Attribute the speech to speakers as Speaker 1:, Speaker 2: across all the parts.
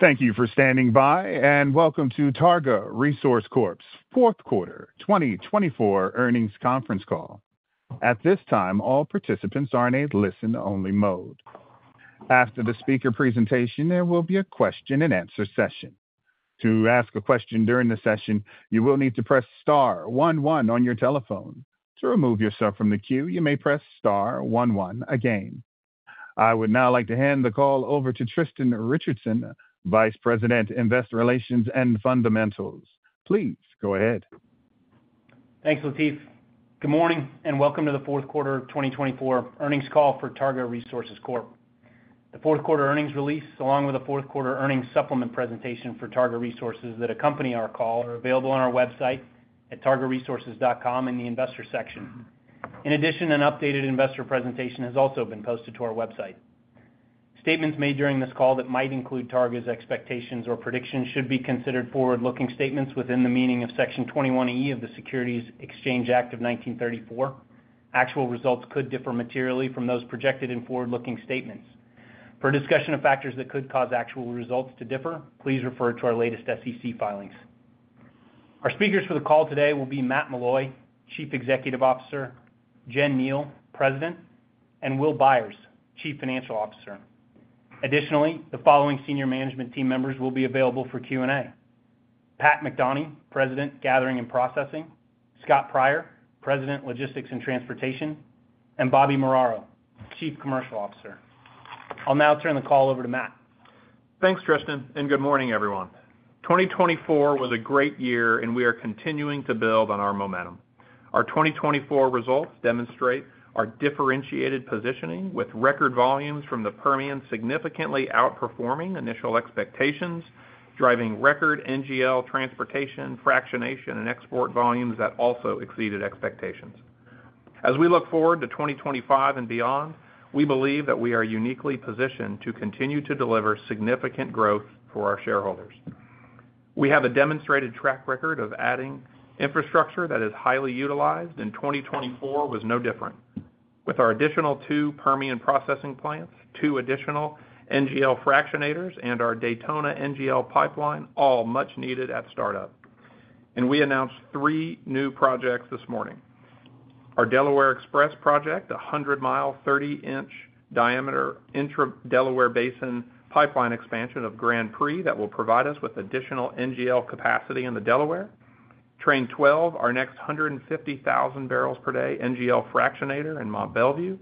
Speaker 1: Thank you for standing by, and welcome to Targa Resources Corp's Fourth Quarter 2024 Earnings Conference Call. At this time, all participants are in a listen-only mode. After the speaker presentation, there will be a question-and-answer session. To ask a question during the session, you will need to press Star one one on your telephone. To remove yourself from the queue, you may press Star one one again. I would now like to hand the call over to Tristan Richardson, Vice President, Investor Relations and Fundamentals. Please go ahead.
Speaker 2: Thanks, Latif. Good morning and welcome to the Fourth Quarter 2024 Earnings Call for Targa Resources Corp. The Fourth Quarter earnings release, along with the Fourth Quarter earnings supplement presentation for Targa Resources that accompany our call, are available on our website at targaresources.com in the Investor section. In addition, an updated investor presentation has also been posted to our website. Statements made during this call that might include Targa's expectations or predictions should be considered forward-looking statements within the meaning of Section 21E of the Securities Exchange Act of 1934. Actual results could differ materially from those projected in forward-looking statements. For discussion of factors that could cause actual results to differ, please refer to our latest SEC filings. Our speakers for the call today will be Matt Meloy, Chief Executive Officer, Jen Kneale, President, and Will Byers, Chief Financial Officer. Additionally, the following senior management team members will be available for Q&A: Pat McDonie, President, Gathering and Processing, Scott Pryor, President, Logistics and Transportation, and Bobby Muraro, Chief Commercial Officer. I'll now turn the call over to Matt.
Speaker 3: Thanks, Tristan, and good morning, everyone. 2024 was a great year, and we are continuing to build on our momentum. Our 2024 results demonstrate our differentiated positioning with record volumes from the Permian, significantly outperforming initial expectations, driving record NGL transportation, fractionation, and export volumes that also exceeded expectations. As we look forward to 2025 and beyond, we believe that we are uniquely positioned to continue to deliver significant growth for our shareholders. We have a demonstrated track record of adding infrastructure that is highly utilized, and 2024 was no different. With our additional two Permian processing plants, two additional NGL fractionators, and our Daytona NGL pipeline, all much needed at startup, we announced three new projects this morning: our Delaware Express project, a 100-mile, 30-inch diameter intra-Delaware Basin pipeline expansion of Grand Prix that will provide us with additional NGL capacity in the Delaware; Train 12, our next 150,000 barrels per day NGL fractionator in Mont Belvieu;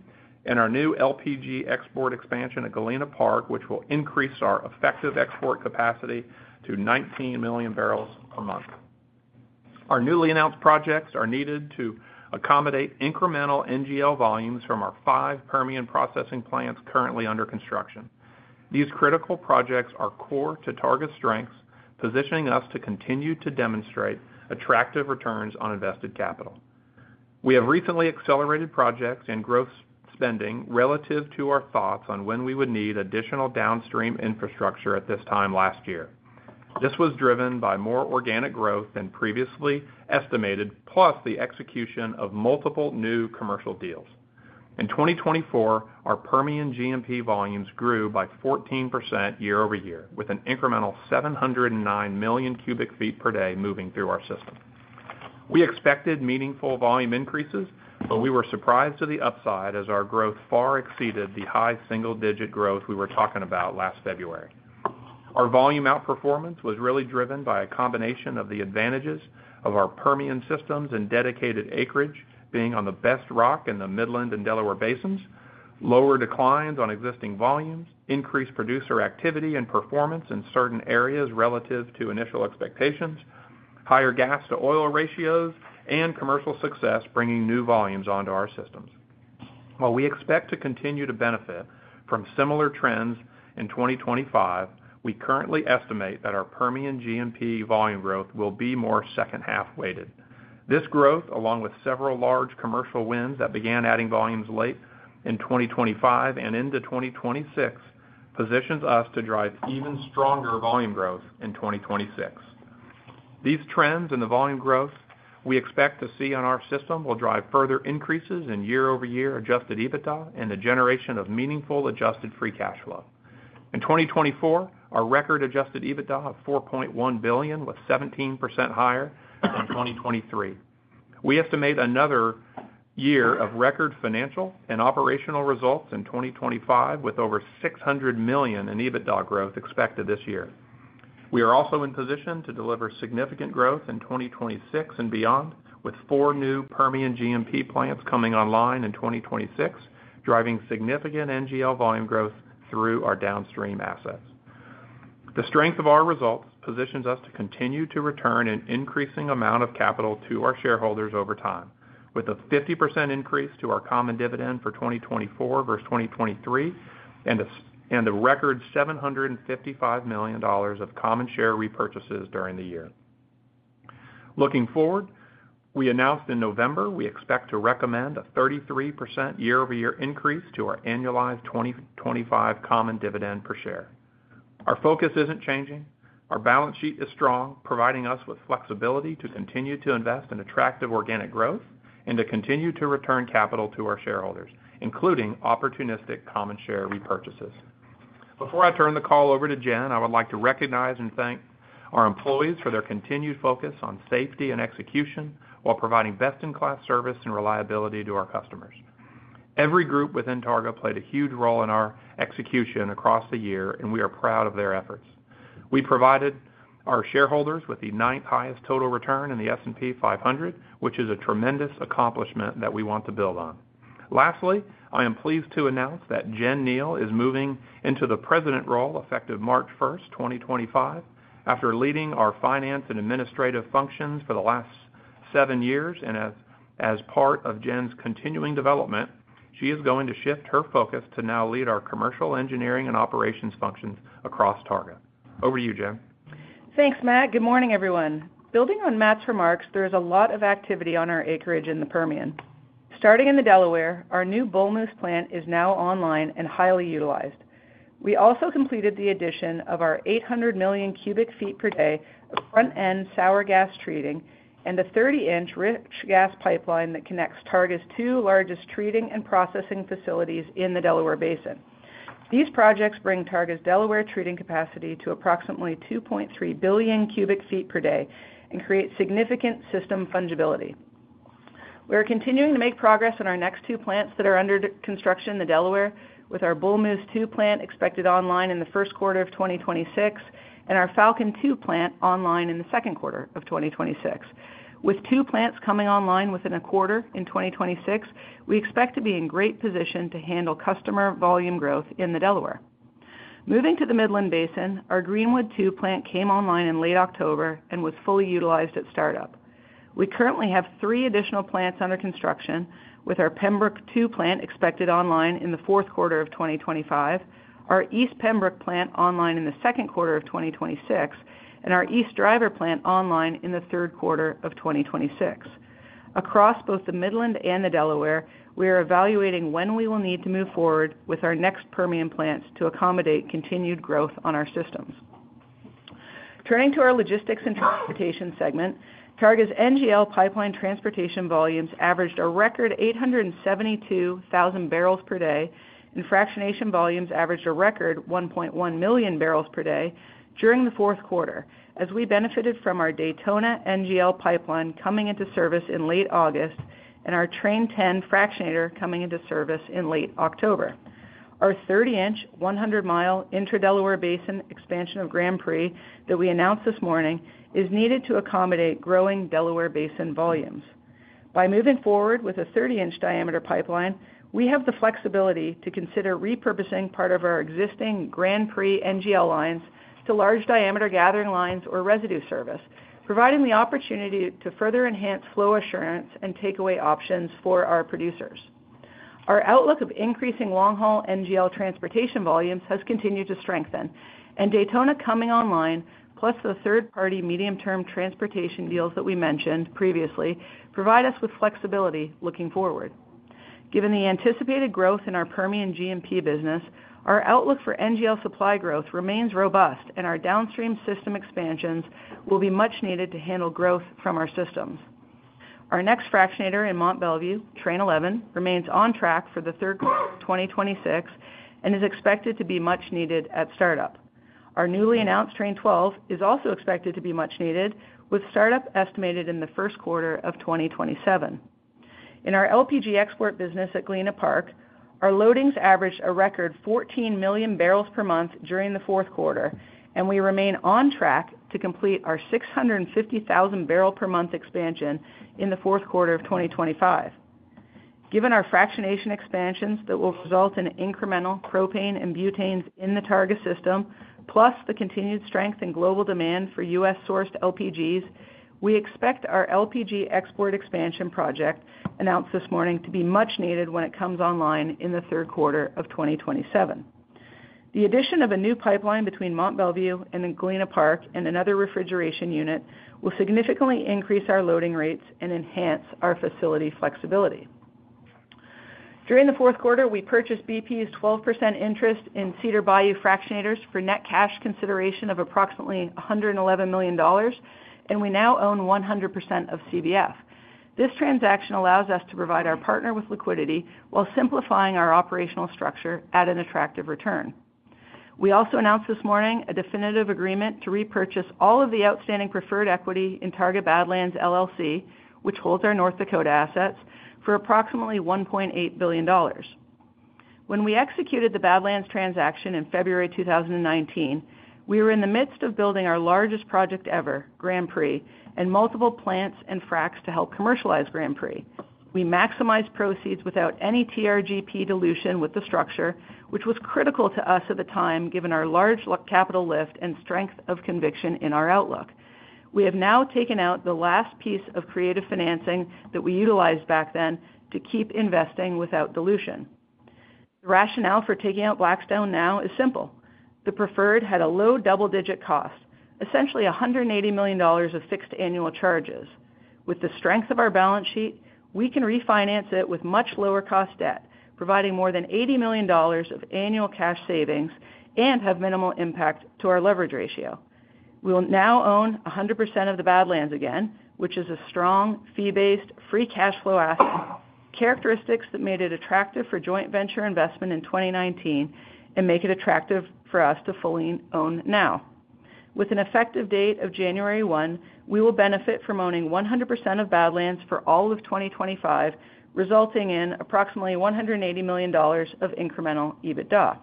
Speaker 3: and our new LPG export expansion at Galena Park, which will increase our effective export capacity to 19 million barrels per month. Our newly announced projects are needed to accommodate incremental NGL volumes from our five Permian processing plants currently under construction. These critical projects are core to Targa's strengths, positioning us to continue to demonstrate attractive returns on invested capital. We have recently accelerated projects and growth spending relative to our thoughts on when we would need additional downstream infrastructure at this time last year. This was driven by more organic growth than previously estimated, plus the execution of multiple new commercial deals. In 2024, our Permian G&P volumes grew by 14% year-over-year, with an incremental 709 million cubic feet per day moving through our system. We expected meaningful volume increases, but we were surprised to the upside as our growth far exceeded the high single-digit growth we were talking about last February. Our volume outperformance was really driven by a combination of the advantages of our Permian systems and dedicated acreage being on the best rock in the Midland and Delaware basins, lower declines on existing volumes, increased producer activity and performance in certain areas relative to initial expectations, higher gas-to-oil ratios, and commercial success bringing new volumes onto our systems. While we expect to continue to benefit from similar trends in 2025, we currently estimate that our Permian G&P volume growth will be more second-half weighted. This growth, along with several large commercial wins that began adding volumes late in 2025 and into 2026, positions us to drive even stronger volume growth in 2026. These trends in the volume growth we expect to see on our system will drive further increases in year-over-year adjusted EBITDA and the generation of meaningful adjusted free cash flow. In 2024, our record adjusted EBITDA of $4.1 billion was 17% higher than 2023. We estimate another year of record financial and operational results in 2025, with over $600 million in EBITDA growth expected this year. We are also in position to deliver significant growth in 2026 and beyond, with four new Permian G&P plants coming online in 2026, driving significant NGL volume growth through our downstream assets. The strength of our results positions us to continue to return an increasing amount of capital to our shareholders over time, with a 50% increase to our common dividend for 2024 versus 2023 and the record $755 million of common share repurchases during the year. Looking forward, we announced in November we expect to recommend a 33% year-over-year increase to our annualized 2025 common dividend per share. Our focus isn't changing. Our balance sheet is strong, providing us with flexibility to continue to invest in attractive organic growth and to continue to return capital to our shareholders, including opportunistic common share repurchases. Before I turn the call over to Jen, I would like to recognize and thank our employees for their continued focus on safety and execution while providing best-in-class service and reliability to our customers. Every group within Targa played a huge role in our execution across the year, and we are proud of their efforts. We provided our shareholders with the ninth highest total return in the S&P 500, which is a tremendous accomplishment that we want to build on. Lastly, I am pleased to announce that Jen Kneale is moving into the President role effective March 1, 2025. After leading our finance and administrative functions for the last seven years and as part of Jen's continuing development, she is going to shift her focus to now lead our commercial engineering and operations functions across Targa. Over to you, Jen.
Speaker 4: Thanks, Matt. Good morning, everyone. Building on Matt's remarks, there is a lot of activity on our acreage in the Permian. Starting in the Delaware, our new Bull Moose plant is now online and highly utilized. We also completed the addition of our 800 million cubic feet per day of front-end sour gas treating and a 30-inch rich gas pipeline that connects Targa's two largest treating and processing facilities in the Delaware Basin. These projects bring Targa's Delaware treating capacity to approximately 2.3 billion cubic ft per day and create significant system fungibility. We are continuing to make progress on our next two plants that are under construction in the Delaware, with our Bull Moose II plant expected online in the first quarter of 2026 and our Falcon II plant online in the second quarter of 2026. With two plants coming online within a quarter in 2026, we expect to be in great position to handle customer volume growth in the Delaware. Moving to the Midland Basin, our Greenwood II plant came online in late October and was fully utilized at startup. We currently have three additional plants under construction, with our Pembrook II plant expected online in the fourth quarter of 2025, our East Pembrook plant online in the second quarter of 2026, and our East Driver plant online in the third quarter of 2026. Across both the Midland and the Delaware, we are evaluating when we will need to move forward with our next Permian plants to accommodate continued growth on our systems. Turning to our logistics and transportation segment, Targa's NGL pipeline transportation volumes averaged a record 872,000 barrels per day, and fractionation volumes averaged a record 1.1 million barrels per day during the fourth quarter, as we benefited from our Daytona NGL pipeline coming into service in late August and our Train 10 fractionator coming into service in late October. Our 30-inch, 100-mile intra-Delaware Basin expansion of Grand Prix that we announced this morning is needed to accommodate growing Delaware Basin volumes. By moving forward with a 30-inch diameter pipeline, we have the flexibility to consider repurposing part of our existing Grand Prix NGL lines to large diameter gathering lines or residue service, providing the opportunity to further enhance flow assurance and takeaway options for our producers. Our outlook of increasing long-haul NGL transportation volumes has continued to strengthen, and Daytona coming online, plus the third-party medium-term transportation deals that we mentioned previously, provide us with flexibility looking forward. Given the anticipated growth in our Permian G&P business, our outlook for NGL supply growth remains robust, and our downstream system expansions will be much needed to handle growth from our systems. Our next fractionator in Mont Belvieu, Train 11, remains on track for the third quarter of 2026 and is expected to be much needed at startup. Our newly announced Train 12 is also expected to be much needed, with startup estimated in the first quarter of 2027. In our LPG export business at Galena Park, our loadings averaged a record 14 million barrels per month during the fourth quarter, and we remain on track to complete our 650,000 barrel per month expansion in the fourth quarter of 2025. Given our fractionation expansions that will result in incremental propane and butanes in the Targa system, plus the continued strength and global demand for U.S.-sourced LPGs, we expect our LPG export expansion project announced this morning to be much needed when it comes online in the third quarter of 2027. The addition of a new pipeline between Mont Belvieu and Galena Park and another refrigeration unit will significantly increase our loading rates and enhance our facility flexibility. During the fourth quarter, we purchased BP's 12% interest in Cedar Bayou Fractionators for net cash consideration of approximately $111 million, and we now own 100% of CBF. This transaction allows us to provide our partner with liquidity while simplifying our operational structure at an attractive return. We also announced this morning a definitive agreement to repurchase all of the outstanding preferred equity in Targa Badlands LLC, which holds our North Dakota assets, for approximately $1.8 billion. When we executed the Badlands transaction in February 2019, we were in the midst of building our largest project ever, Grand Prix, and multiple plants and fracs to help commercialize Grand Prix. We maximized proceeds without any TRGP dilution with the structure, which was critical to us at the time given our large capital lift and strength of conviction in our outlook. We have now taken out the last piece of creative financing that we utilized back then to keep investing without dilution. The rationale for taking out Blackstone now is simple. The preferred had a low double-digit cost, essentially $180 million of fixed annual charges. With the strength of our balance sheet, we can refinance it with much lower-cost debt, providing more than $80 million of annual cash savings and have minimal impact to our leverage ratio. We will now own 100% of the Badlands again, which is a strong, fee-based, free cash flow asset, characteristics that made it attractive for joint venture investment in 2019 and make it attractive for us to fully own now. With an effective date of January 1, we will benefit from owning 100% of Badlands for all of 2025, resulting in approximately $180 million of incremental EBITDA.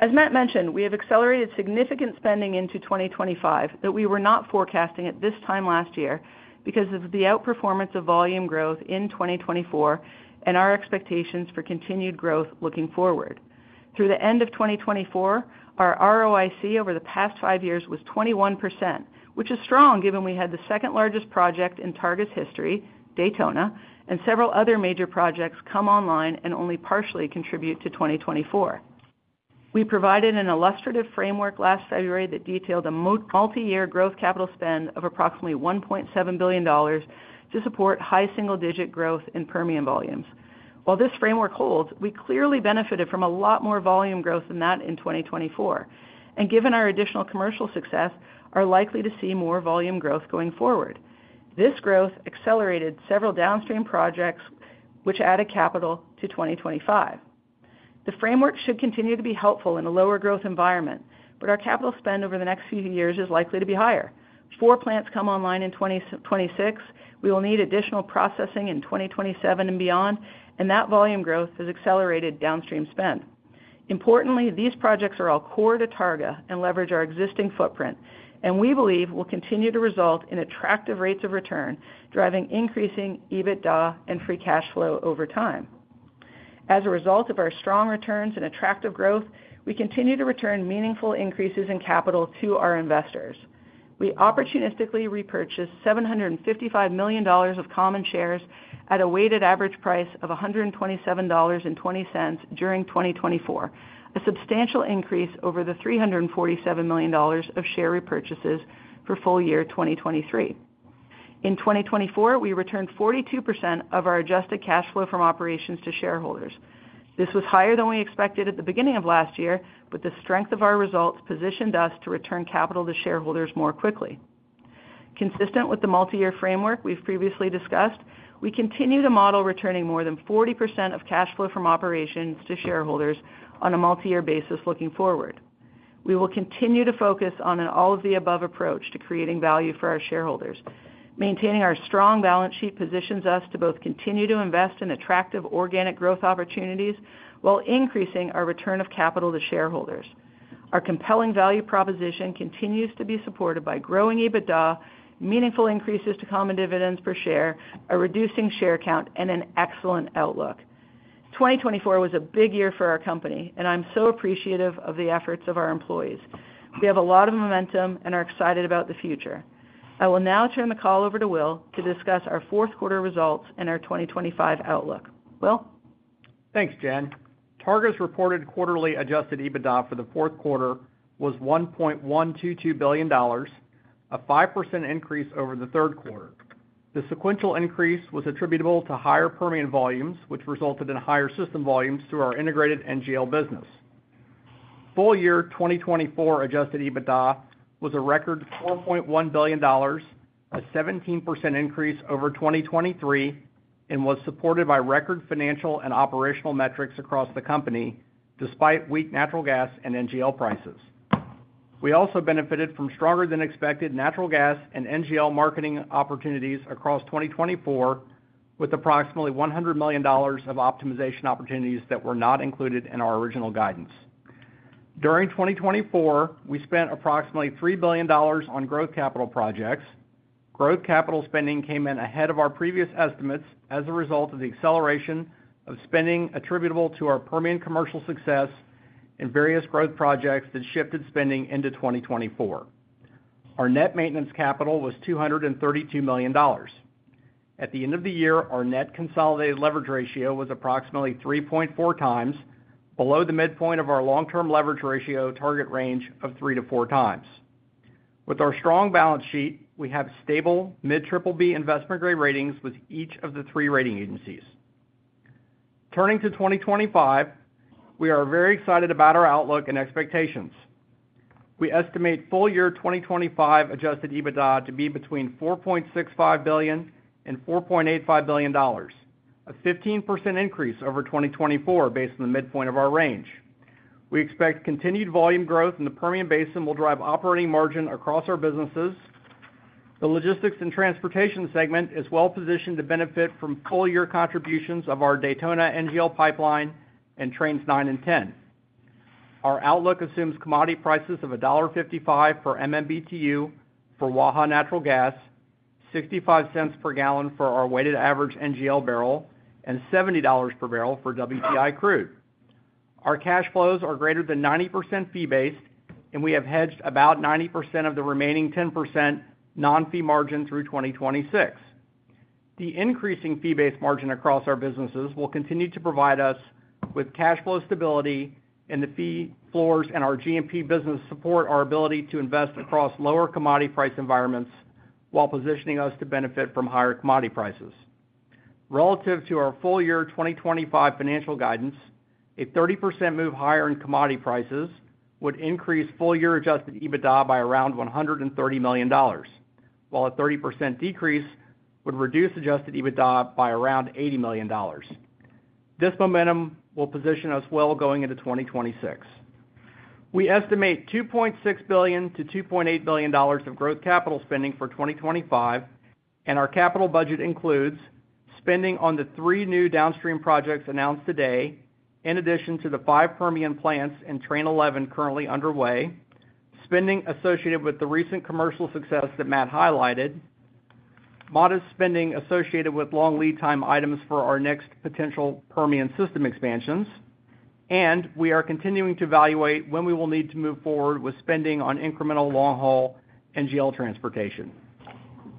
Speaker 4: As Matt mentioned, we have accelerated significant spending into 2025 that we were not forecasting at this time last year because of the outperformance of volume growth in 2024 and our expectations for continued growth looking forward. Through the end of 2024, our ROIC over the past five years was 21%, which is strong given we had the second-largest project in Targa's history, Daytona, and several other major projects come online and only partially contribute to 2024. We provided an illustrative framework last February that detailed a multi-year growth capital spend of approximately $1.7 billion to support high single-digit growth in Permian volumes. While this framework holds, we clearly benefited from a lot more volume growth than that in 2024, and given our additional commercial success, we are likely to see more volume growth going forward. This growth accelerated several downstream projects, which added capital to 2025. The framework should continue to be helpful in a lower growth environment, but our capital spend over the next few years is likely to be higher. Four plants come online in 2026. We will need additional processing in 2027 and beyond, and that volume growth has accelerated downstream spend. Importantly, these projects are all core to Targa and leverage our existing footprint, and we believe will continue to result in attractive rates of return, driving increasing EBITDA and free cash flow over time. As a result of our strong returns and attractive growth, we continue to return meaningful increases in capital to our investors. We opportunistically repurchased $755 million of common shares at a weighted average price of $127.20 during 2024, a substantial increase over the $347 million of share repurchases for full year 2023. In 2024, we returned 42% of our adjusted cash flow from operations to shareholders. This was higher than we expected at the beginning of last year, but the strength of our results positioned us to return capital to shareholders more quickly. Consistent with the multi-year framework we've previously discussed, we continue to model returning more than 40% of cash flow from operations to shareholders on a multi-year basis looking forward. We will continue to focus on an all-of-the-above approach to creating value for our shareholders. Maintaining our strong balance sheet positions us to both continue to invest in attractive organic growth opportunities while increasing our return of capital to shareholders. Our compelling value proposition continues to be supported by growing EBITDA, meaningful increases to common dividends per share, a reducing share count, and an excellent outlook. 2024 was a big year for our company, and I'm so appreciative of the efforts of our employees. We have a lot of momentum and are excited about the future. I will now turn the call over to Will to discuss our fourth quarter results and our 2025 outlook. Will?
Speaker 5: Thanks, Jen. Targa's reported quarterly adjusted EBITDA for the fourth quarter was $1.122 billion, a 5% increase over the third quarter. The sequential increase was attributable to higher Permian volumes, which resulted in higher system volumes through our integrated NGL business. Full year 2024 adjusted EBITDA was a record $4.1 billion, a 17% increase over 2023, and was supported by record financial and operational metrics across the company despite weak natural gas and NGL prices. We also benefited from stronger-than-expected natural gas and NGL marketing opportunities across 2024, with approximately $100 million of optimization opportunities that were not included in our original guidance. During 2024, we spent approximately $3 billion on growth capital projects. Growth capital spending came in ahead of our previous estimates as a result of the acceleration of spending attributable to our Permian commercial success and various growth projects that shifted spending into 2024. Our net maintenance capital was $232 million. At the end of the year, our net consolidated leverage ratio was approximately 3.4 times, below the midpoint of our long-term leverage ratio target range of three to four times. With our strong balance sheet, we have stable mid-BBB investment-grade ratings with each of the three rating agencies. Turning to 2025, we are very excited about our outlook and expectations. We estimate full year 2025 Adjusted EBITDA to be between $4.65 billion and $4.85 billion, a 15% increase over 2024 based on the midpoint of our range. We expect continued volume growth in the Permian Basin will drive operating margin across our businesses. The logistics and transportation segment is well positioned to benefit from full year contributions of our Daytona NGL pipeline and Trains 9 and 10. Our outlook assumes commodity prices of $1.55 per MMBtu for Waha natural gas, $0.65 per gallon for our weighted average NGL barrel, and $70 per barrel for WTI crude. Our cash flows are greater than 90% fee-based, and we have hedged about 90% of the remaining 10% non-fee margin through 2026. The increasing fee-based margin across our businesses will continue to provide us with cash flow stability, and the fee floors and our G&P business support our ability to invest across lower commodity price environments while positioning us to benefit from higher commodity prices. Relative to our full year 2025 financial guidance, a 30% move higher in commodity prices would increase full year Adjusted EBITDA by around $130 million, while a 30% decrease would reduce Adjusted EBITDA by around $80 million. This momentum will position us well going into 2026. We estimate $2.6 billion-$2.8 billion of growth capital spending for 2025, and our capital budget includes spending on the three new downstream projects announced today, in addition to the five Permian plants and Train 11 currently underway, spending associated with the recent commercial success that Matt highlighted, modest spending associated with long lead time items for our next potential Permian system expansions, and we are continuing to evaluate when we will need to move forward with spending on incremental long-haul NGL transportation.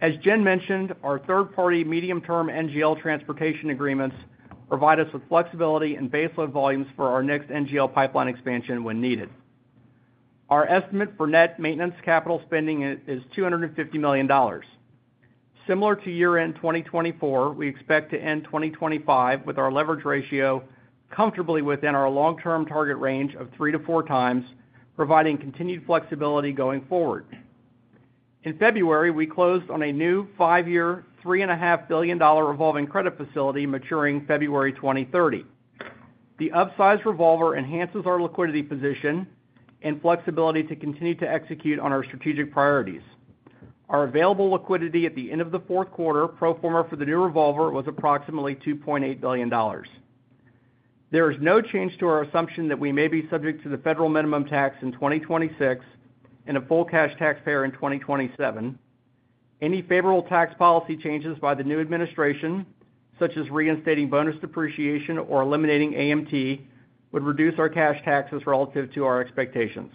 Speaker 5: As Jen mentioned, our third-party medium-term NGL transportation agreements provide us with flexibility and baseload volumes for our next NGL pipeline expansion when needed. Our estimate for net maintenance capital spending is $250 million. Similar to year-end 2024, we expect to end 2025 with our leverage ratio comfortably within our long-term target range of three to four times, providing continued flexibility going forward. In February, we closed on a new five-year, $3.5 billion revolving credit facility maturing February 2030. The upsized revolver enhances our liquidity position and flexibility to continue to execute on our strategic priorities. Our available liquidity at the end of the fourth quarter pro forma for the new revolver was approximately $2.8 billion. There is no change to our assumption that we may be subject to the Federal Minimum Tax in 2026 and a full cash taxpayer in 2027. Any favorable tax policy changes by the new administration, such as reinstating bonus depreciation or eliminating AMT, would reduce our cash taxes relative to our expectations.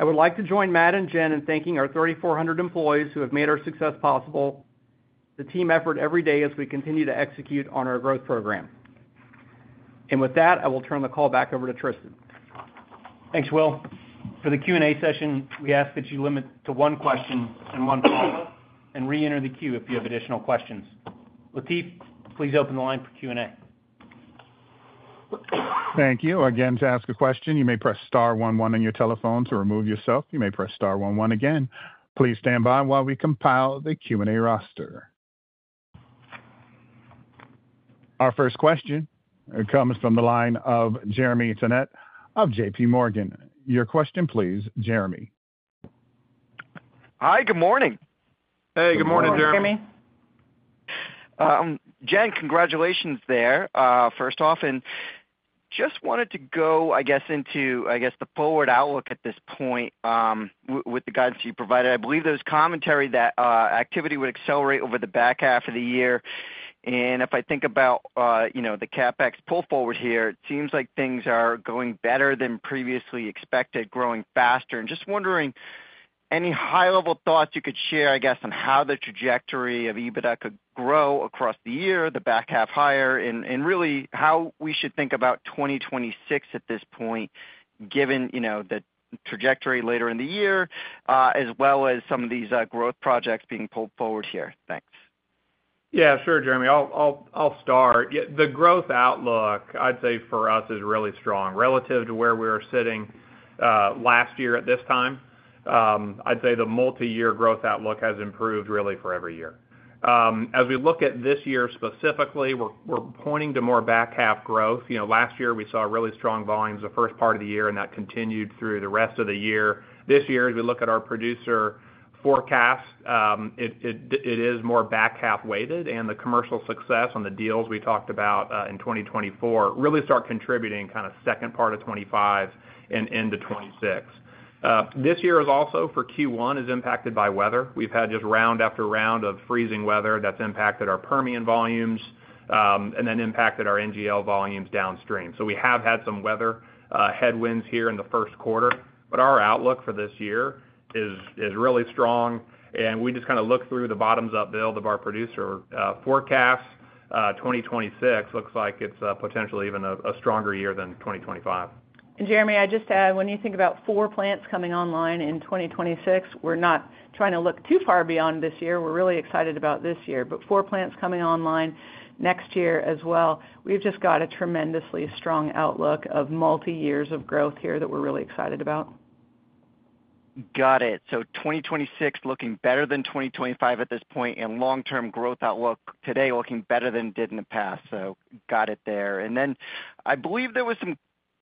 Speaker 5: I would like to join Matt and Jen in thanking our 3,400 employees who have made our success possible, the team effort every day as we continue to execute on our growth program. And with that, I will turn the call back over to Tristan.
Speaker 2: Thanks, Will. For the Q&A session, we ask that you limit to one question and one call, and re-enter the queue if you have additional questions. Latif, please open the line for Q&A.
Speaker 1: Thank you. Again, to ask a question, you may press star 11 on your telephone to remove yourself. You may press star 11 again. Please stand by while we compile the Q&A roster. Our first question comes from the line of Jeremy Tonet of J.P. Morgan. Your question, please, Jeremy.
Speaker 6: Hi, good morning.
Speaker 3: Hey, good morning, Jeremy.
Speaker 4: Hey, Jeremy.
Speaker 6: Jen, congratulations there, first off. And just wanted to go, I guess, into, I guess, the forward outlook at this point with the guidance you provided. I believe there was commentary that activity would accelerate over the back half of the year. And if I think about the CapEx pull forward here, it seems like things are going better than previously expected, growing faster. And just wondering, any high-level thoughts you could share, I guess, on how the trajectory of EBITDA could grow across the year, the back half higher, and really how we should think about 2026 at this point, given the trajectory later in the year, as well as some of these growth projects being pulled forward here. Thanks.
Speaker 3: Yeah, sure, Jeremy. I'll start. The growth outlook, I'd say for us, is really strong relative to where we were sitting last year at this time. I'd say the multi-year growth outlook has improved really for every year. As we look at this year specifically, we're pointing to more back half growth. Last year, we saw really strong volumes the first part of the year, and that continued through the rest of the year. This year, as we look at our producer forecast, it is more back half weighted, and the commercial success on the deals we talked about in 2024 really start contributing kind of second part of 2025 and into 2026. This year is also, for Q1, impacted by weather. We've had just round after round of freezing weather that's impacted our Permian volumes and then impacted our NGL volumes downstream. We have had some weather headwinds here in the first quarter, but our outlook for this year is really strong. We just kind of look through the bottoms-up build of our producer forecast. 2026 looks like it's potentially even a stronger year than 2025.
Speaker 4: And Jeremy, I just add, when you think about four plants coming online in 2026, we're not trying to look too far beyond this year. We're really excited about this year, but four plants coming online next year as well. We've just got a tremendously strong outlook of multi-years of growth here that we're really excited about.
Speaker 6: Got it. So 2026 looking better than 2025 at this point, and long-term growth outlook today looking better than it did in the past. So got it there. And then I believe there were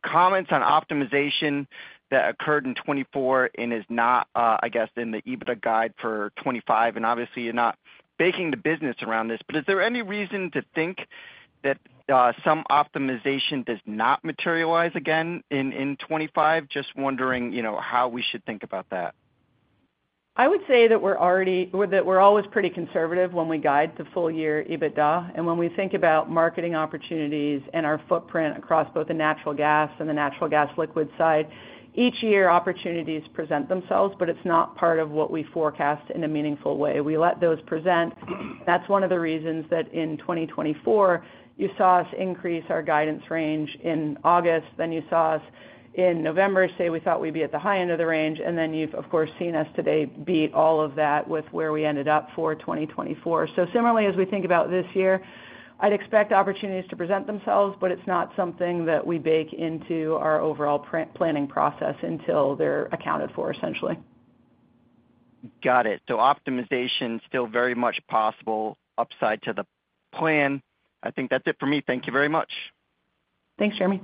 Speaker 6: some comments on optimization that occurred in 2024 and is not, I guess, in the EBITDA guide for 2025. And obviously, you're not baking the business around this, but is there any reason to think that some optimization does not materialize again in 2025? Just wondering how we should think about that.
Speaker 4: I would say that we're always pretty conservative when we guide the full year EBITDA, and when we think about marketing opportunities and our footprint across both the natural gas and the natural gas liquid side, each year opportunities present themselves, but it's not part of what we forecast in a meaningful way. We let those present. That's one of the reasons that in 2024, you saw us increase our guidance range in August, then you saw us in November say we thought we'd be at the high end of the range, and then you've, of course, seen us today beat all of that with where we ended up for 2024, so similarly, as we think about this year, I'd expect opportunities to present themselves, but it's not something that we bake into our overall planning process until they're accounted for, essentially.
Speaker 6: Got it. So, optimization still very much possible upside to the plan. I think that's it for me. Thank you very much.
Speaker 4: Thanks, Jeremy.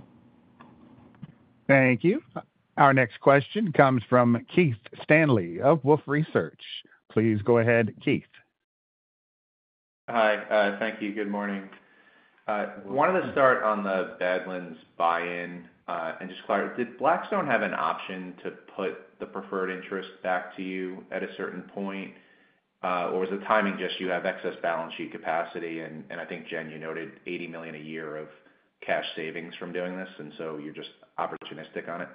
Speaker 1: Thank you. Our next question comes from Keith Stanley of Wolfe Research. Please go ahead, Keith.
Speaker 7: Hi. Thank you. Good morning. Wanted to start on the Badlands buy-in. And just clarify, did Blackstone have an option to put the preferred interest back to you at a certain point, or was the timing just you have excess balance sheet capacity? And I think, Jen, you noted $80 million a year of cash savings from doing this, and so you're just opportunistic on it?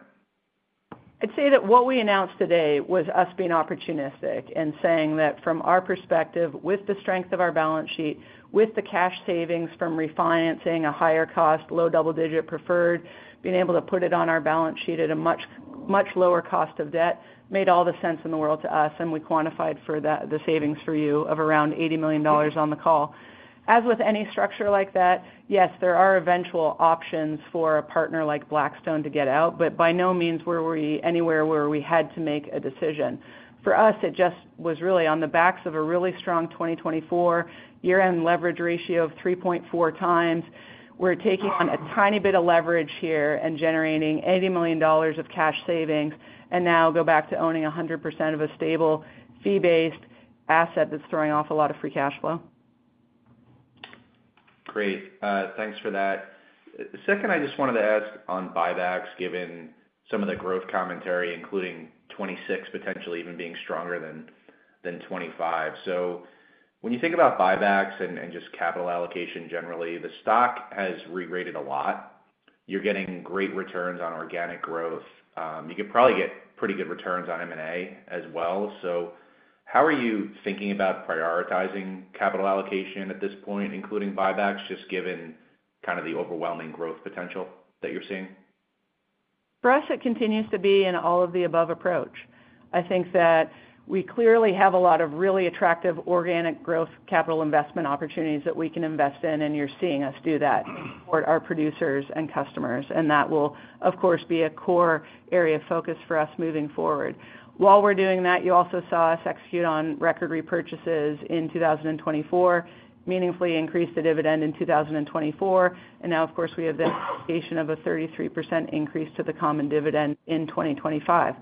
Speaker 4: I'd say that what we announced today was us being opportunistic and saying that from our perspective, with the strength of our balance sheet, with the cash savings from refinancing a higher-cost, low-double-digit preferred, being able to put it on our balance sheet at a much lower cost of debt made all the sense in the world to us, and we quantified for the savings for you of around $80 million on the call. As with any structure like that, yes, there are eventual options for a partner like Blackstone to get out, but by no means were we anywhere where we had to make a decision. For us, it just was really on the backs of a really strong 2024 year-end leverage ratio of 3.4 times. We're taking on a tiny bit of leverage here and generating $80 million of cash savings and now go back to owning 100% of a stable fee-based asset that's throwing off a lot of free cash flow.
Speaker 7: Great. Thanks for that. Second, I just wanted to ask on buybacks, given some of the growth commentary, including 2026 potentially even being stronger than 2025. So when you think about buybacks and just capital allocation generally, the stock has re-rated a lot. You're getting great returns on organic growth. You could probably get pretty good returns on M&A as well. So how are you thinking about prioritizing capital allocation at this point, including buybacks, just given kind of the overwhelming growth potential that you're seeing?
Speaker 4: For us, it continues to be an all-of-the-above approach. I think that we clearly have a lot of really attractive organic growth capital investment opportunities that we can invest in, and you're seeing us do that for our producers and customers. And that will, of course, be a core area of focus for us moving forward. While we're doing that, you also saw us execute on record repurchases in 2024, meaningfully increase the dividend in 2024, and now, of course, we have the application of a 33% increase to the common dividend in 2025.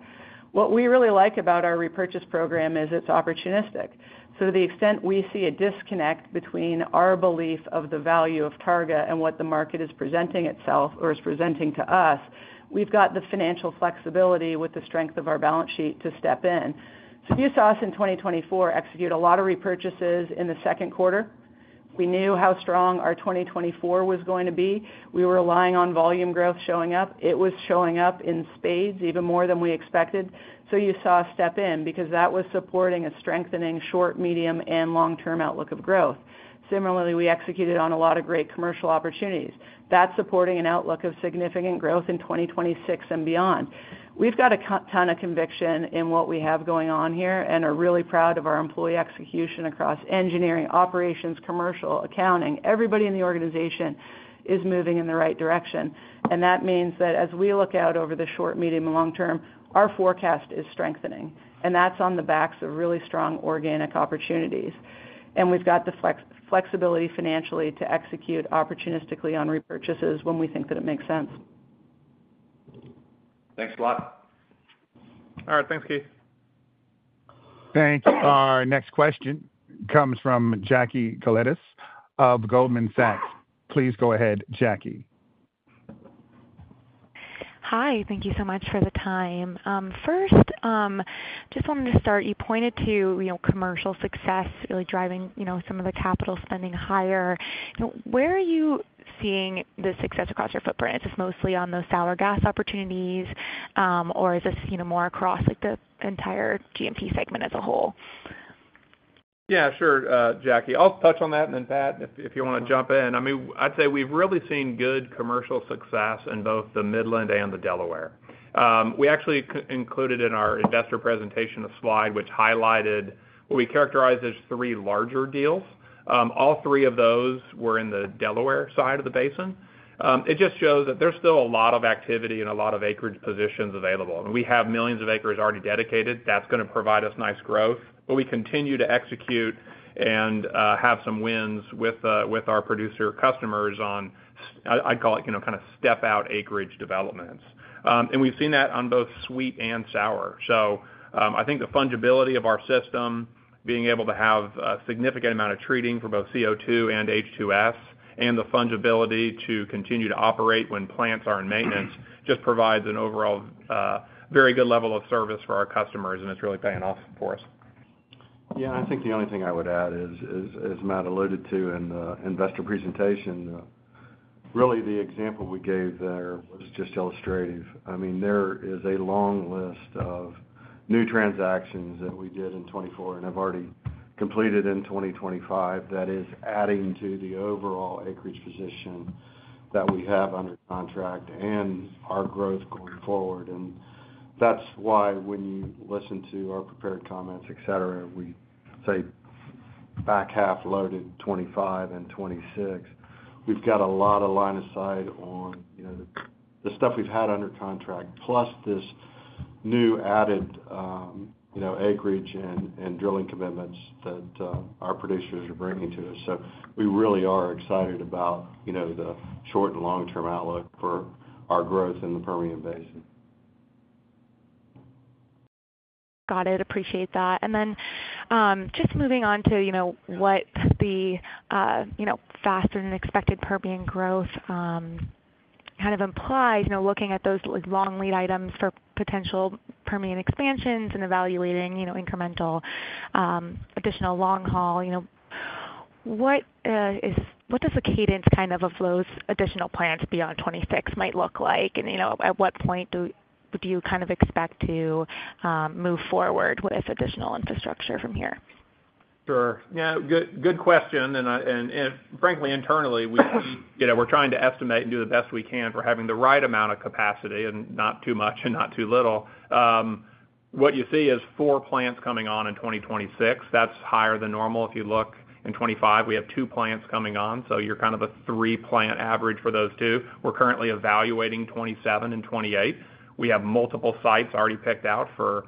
Speaker 4: What we really like about our repurchase program is it's opportunistic. So to the extent we see a disconnect between our belief of the value of Targa and what the market is presenting itself or is presenting to us, we've got the financial flexibility with the strength of our balance sheet to step in. So you saw us in 2024 execute a lot of repurchases in the second quarter. We knew how strong our 2024 was going to be. We were relying on volume growth showing up. It was showing up in spades even more than we expected. So you saw us step in because that was supporting a strengthening short, medium, and long-term outlook of growth. Similarly, we executed on a lot of great commercial opportunities. That's supporting an outlook of significant growth in 2026 and beyond. We've got a ton of conviction in what we have going on here and are really proud of our employee execution across engineering, operations, commercial, accounting. Everybody in the organization is moving in the right direction. And that means that as we look out over the short, medium, and long term, our forecast is strengthening. And that's on the backs of really strong organic opportunities. We've got the flexibility financially to execute opportunistically on repurchases when we think that it makes sense.
Speaker 7: Thanks a lot.
Speaker 3: All right. Thanks, Keith.
Speaker 1: Thanks. Our next question comes from Jackie Koletas of Goldman Sachs. Please go ahead, Jackie.
Speaker 8: Hi. Thank you so much for the time. First, just wanted to start, you pointed to commercial success really driving some of the capital spending higher. Where are you seeing the success across your footprint? Is this mostly on those sour gas opportunities, or is this more across the entire GMT segment as a whole?
Speaker 3: Yeah, sure, Jackie. I'll touch on that, and then Pat McDonie, if you want to jump in. I mean, I'd say we've really seen good commercial success in both the Midland and the Delaware. We actually included in our investor presentation a slide which highlighted what we characterized as three larger deals. All three of those were in the Delaware side of the basin. It just shows that there's still a lot of activity and a lot of acreage positions available, and we have millions of acres already dedicated. That's going to provide us nice growth, but we continue to execute and have some wins with our producer customers on, I'd call it, kind of step-out acreage developments, and we've seen that on both sweet and sour. So I think the fungibility of our system, being able to have a significant amount of treating for both CO2 and H2S, and the fungibility to continue to operate when plants are in maintenance just provides an overall very good level of service for our customers, and it's really paying off for us.
Speaker 9: Yeah. I think the only thing I would add is, as Matt alluded to in the investor presentation, really the example we gave there was just illustrative. I mean, there is a long list of new transactions that we did in 2024 and have already completed in 2025 that is adding to the overall acreage position that we have under contract and our growth going forward. And that's why when you listen to our prepared comments, etc., we say back half loaded 2025 and 2026. We've got a lot of line of sight on the stuff we've had under contract, plus this new added acreage and drilling commitments that our producers are bringing to us. So we really are excited about the short and long-term outlook for our growth in the Permian Basin.
Speaker 8: Got it. Appreciate that. And then just moving on to what the faster-than-expected Permian growth kind of implies, looking at those long lead items for potential Permian expansions and evaluating incremental additional long haul, what does the cadence kind of those additional plants beyond 2026 might look like? And at what point do you kind of expect to move forward with additional infrastructure from here?
Speaker 3: Sure. Yeah. Good question. And frankly, internally, we're trying to estimate and do the best we can for having the right amount of capacity and not too much and not too little. What you see is four plants coming on in 2026. That's higher than normal. If you look in 2025, we have two plants coming on. So you're kind of a three-plant average for those two. We're currently evaluating 2027 and 2028. We have multiple sites already picked out for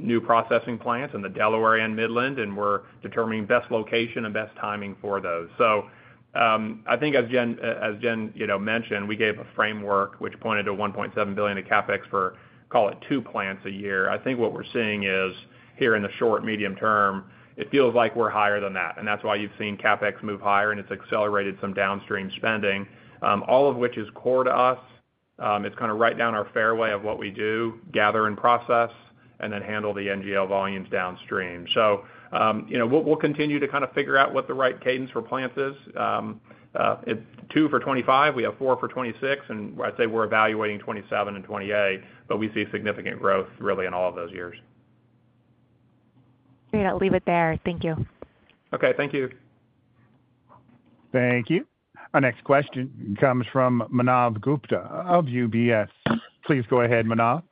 Speaker 3: new processing plants in the Delaware and Midland, and we're determining best location and best timing for those. So I think, as Jen mentioned, we gave a framework which pointed to $1.7 billion of CapEx for, call it, two plants a year. I think what we're seeing is here in the short, medium term, it feels like we're higher than that. And that's why you've seen CapEx move higher, and it's accelerated some downstream spending, all of which is core to us. It's kind of right down our fairway of what we do, gather and process, and then handle the NGL volumes downstream. So we'll continue to kind of figure out what the right cadence for plants is. Two for 2025, we have four for 2026, and I'd say we're evaluating 2027 and 2028, but we see significant growth really in all of those years.
Speaker 8: I'll leave it there. Thank you.
Speaker 3: Okay. Thank you.
Speaker 1: Thank you. Our next question comes from Manav Gupta of UBS. Please go ahead, Manav.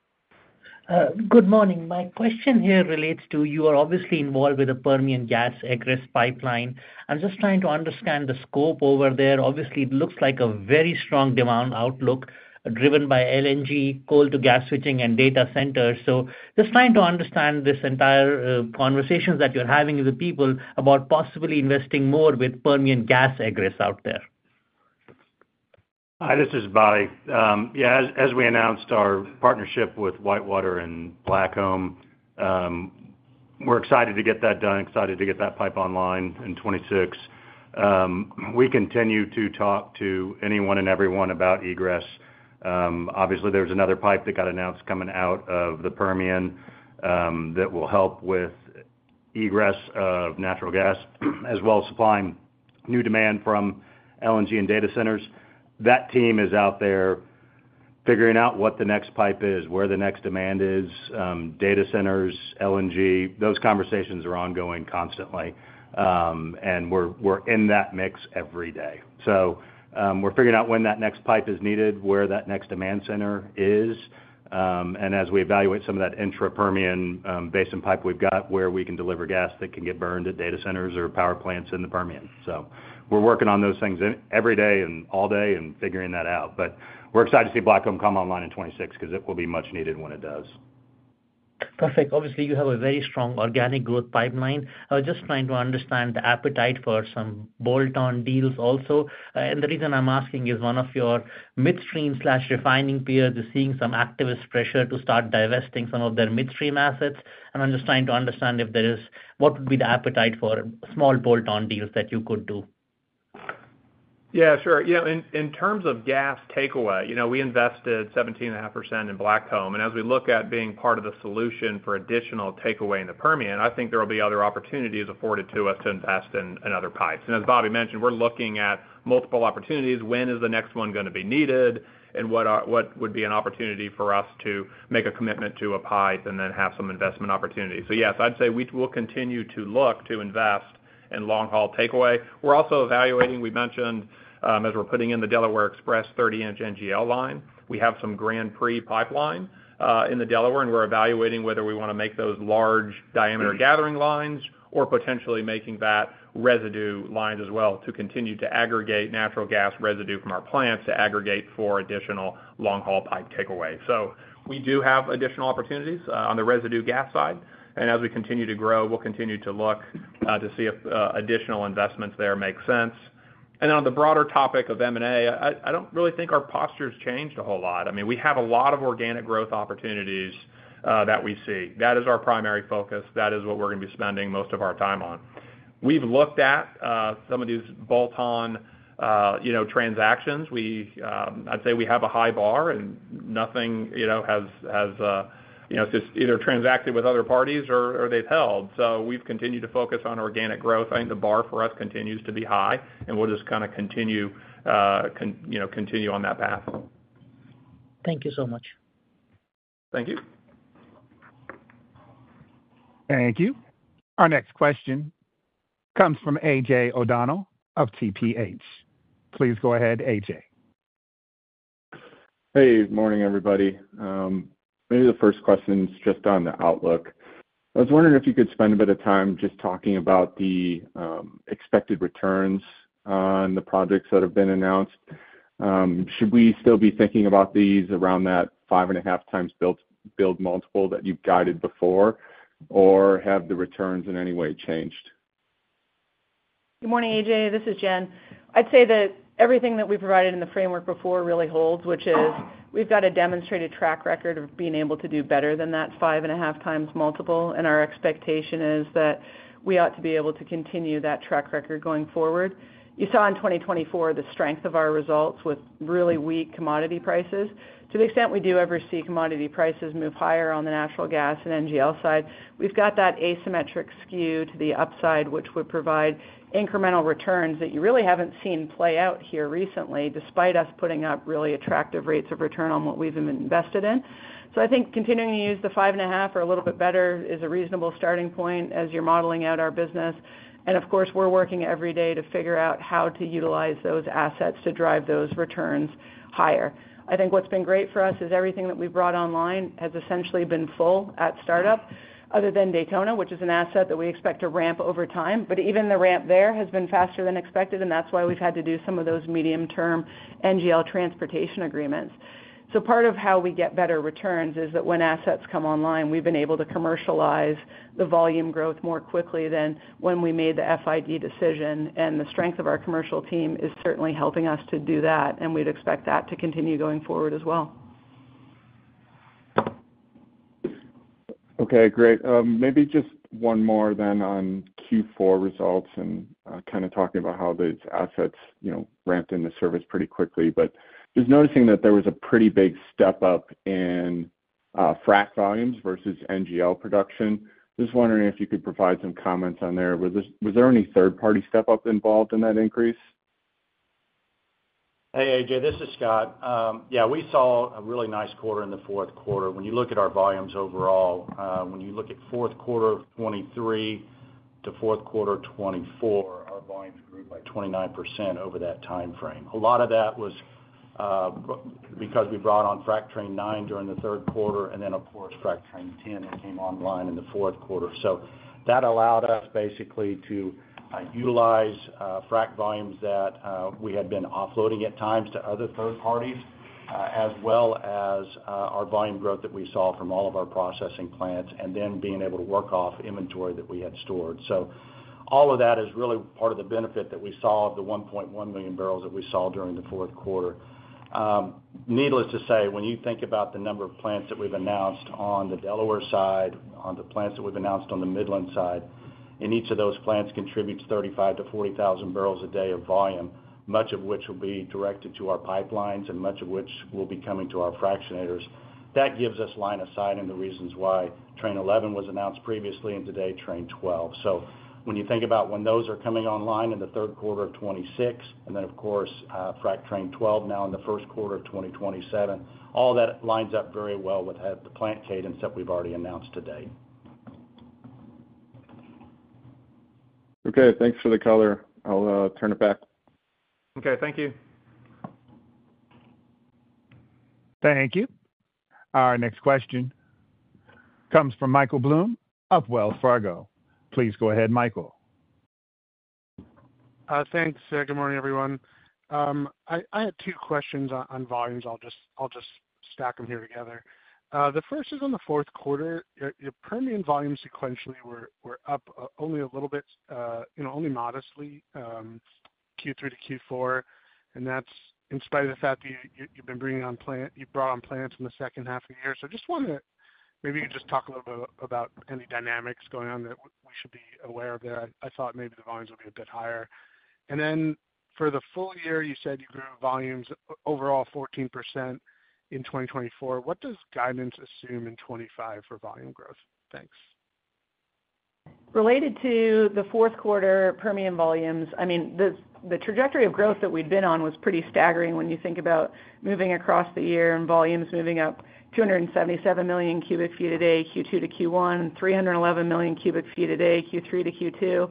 Speaker 10: Good morning. My question here relates to you. You are obviously involved with the Permian gas assets pipeline. I'm just trying to understand the scope over there. Obviously, it looks like a very strong demand outlook driven by LNG, coal-to-gas switching, and data centers. So just trying to understand this entire conversation that you're having with the people about possibly investing more with Permian gas assets out there.
Speaker 11: Hi, this is Bobby. Yeah, as we announced our partnership with WhiteWater and Blackcomb, we're excited to get that done, excited to get that pipe online in 2026. We continue to talk to anyone and everyone about egress. Obviously, there was another pipe that got announced coming out of the Permian that will help with egress of natural gas, as well as supplying new demand from LNG and data centers. That team is out there figuring out what the next pipe is, where the next demand is, data centers, LNG. Those conversations are ongoing constantly, and we're in that mix every day. So we're figuring out when that next pipe is needed, where that next demand center is, and as we evaluate some of that intra-Permian basin pipe we've got where we can deliver gas that can get burned at data centers or power plants in the Permian. So we're working on those things every day and all day and figuring that out. But we're excited to see Blackcomb come online in 2026 because it will be much needed when it does.
Speaker 10: Perfect. Obviously, you have a very strong organic growth pipeline. I was just trying to understand the appetite for some bolt-on deals also. And the reason I'm asking is one of your midstream/refining peers is seeing some activist pressure to start divesting some of their midstream assets. And I'm just trying to understand if there is what would be the appetite for small bolt-on deals that you could do.
Speaker 3: Yeah, sure. Yeah. In terms of gas takeaway, we invested 17.5% in Blackcomb. And as we look at being part of the solution for additional takeaway in the Permian, I think there will be other opportunities afforded to us to invest in other pipes. And as Bobby mentioned, we're looking at multiple opportunities. When is the next one going to be needed, and what would be an opportunity for us to make a commitment to a pipe and then have some investment opportunity? So yes, I'd say we will continue to look to invest in long-haul takeaway. We're also evaluating, we mentioned, as we're putting in the Delaware Express 30-inch NGL line. We have some Grand Prix pipeline in the Delaware, and we're evaluating whether we want to make those large-diameter gathering lines or potentially making that residue lines as well to continue to aggregate natural gas residue from our plants to aggregate for additional long-haul pipe takeaway. So we do have additional opportunities on the residue gas side. And as we continue to grow, we'll continue to look to see if additional investments there make sense. And then on the broader topic of M&A, I don't really think our posture has changed a whole lot. I mean, we have a lot of organic growth opportunities that we see. That is our primary focus. That is what we're going to be spending most of our time on. We've looked at some of these bolt-on transactions. I'd say we have a high bar, and nothing has just either transacted with other parties or they've held. So we've continued to focus on organic growth. I think the bar for us continues to be high, and we'll just kind of continue on that path.
Speaker 10: Thank you so much.
Speaker 3: Thank you.
Speaker 1: Thank you. Our next question comes from AJ O'Donnell of TPH. Please go ahead, AJ.
Speaker 12: Hey, good morning, everybody. Maybe the first question is just on the outlook. I was wondering if you could spend a bit of time just talking about the expected returns on the projects that have been announced. Should we still be thinking about these around that five and a half times build multiple that you've guided before, or have the returns in any way changed?
Speaker 4: Good morning, AJ. This is Jen. I'd say that everything that we provided in the framework before really holds, which is we've got a demonstrated track record of being able to do better than that five and a half times multiple. And our expectation is that we ought to be able to continue that track record going forward. You saw in 2024 the strength of our results with really weak commodity prices. To the extent we do ever see commodity prices move higher on the natural gas and NGL side, we've got that asymmetric skew to the upside, which would provide incremental returns that you really haven't seen play out here recently, despite us putting up really attractive rates of return on what we've invested in. So I think continuing to use the five and a half or a little bit better is a reasonable starting point as you're modeling out our business. And of course, we're working every day to figure out how to utilize those assets to drive those returns higher. I think what's been great for us is everything that we've brought online has essentially been full at startup, other than Daytona, which is an asset that we expect to ramp over time. But even the ramp there has been faster than expected, and that's why we've had to do some of those medium-term NGL transportation agreements. So part of how we get better returns is that when assets come online, we've been able to commercialize the volume growth more quickly than when we made the FID decision. The strength of our commercial team is certainly helping us to do that, and we'd expect that to continue going forward as well.
Speaker 12: Okay. Great. Maybe just one more then on Q4 results and kind of talking about how these assets ramped into service pretty quickly. But just noticing that there was a pretty big step up in frac volumes versus NGL production. Just wondering if you could provide some comments on there. Was there any third-party step-up involved in that increase?
Speaker 13: Hey, AJ. This is Scott. Yeah, we saw a really nice quarter in the fourth quarter. When you look at our volumes overall, when you look at fourth quarter of 2023 to fourth quarter of 2024, our volumes grew by 29% over that timeframe. A lot of that was because we brought on Train 9 during the third quarter, and then, of course, Train 10 that came online in the fourth quarter. So that allowed us basically to utilize frac volumes that we had been offloading at times to other third parties, as well as our volume growth that we saw from all of our processing plants, and then being able to work off inventory that we had stored. So all of that is really part of the benefit that we saw of the 1.1 million barrels that we saw during the fourth quarter. Needless to say, when you think about the number of plants that we've announced on the Delaware side, on the plants that we've announced on the Midland side, and each of those plants contributes 35,000-40,000 barrels a day of volume, much of which will be directed to our pipelines and much of which will be coming to our fractionators, that gives us line of sight and the reasons why Train 11 was announced previously and today Train 12. So when you think about when those are coming online in the third quarter of 2026, and then, of course, frac Train 12 now in the first quarter of 2027, all that lines up very well with the plant cadence that we've already announced today.
Speaker 12: Okay. Thanks for the color. I'll turn it back.
Speaker 13: Okay. Thank you.
Speaker 1: Thank you. Our next question comes from Michael Blum of Wells Fargo. Please go ahead, Michael.
Speaker 14: Thanks. Good morning, everyone. I had two questions on volumes. I'll just stack them here together. The first is on the fourth quarter. Your Permian volumes sequentially were up only a little bit, only modestly, Q3 to Q4. And that's in spite of the fact that you've been bringing on plants. You brought on plants in the second half of the year. So I just wanted to maybe you could just talk a little bit about any dynamics going on that we should be aware of there. I thought maybe the volumes would be a bit higher. And then for the full year, you said you grew volumes overall 14% in 2024. What does guidance assume in 2025 for volume growth? Thanks.
Speaker 4: Related to the fourth quarter Permian volumes, I mean, the trajectory of growth that we'd been on was pretty staggering when you think about moving across the year and volumes moving up 277 million cubic feet a day Q2 to Q1, 311 million cubic feet a day Q3 to Q2,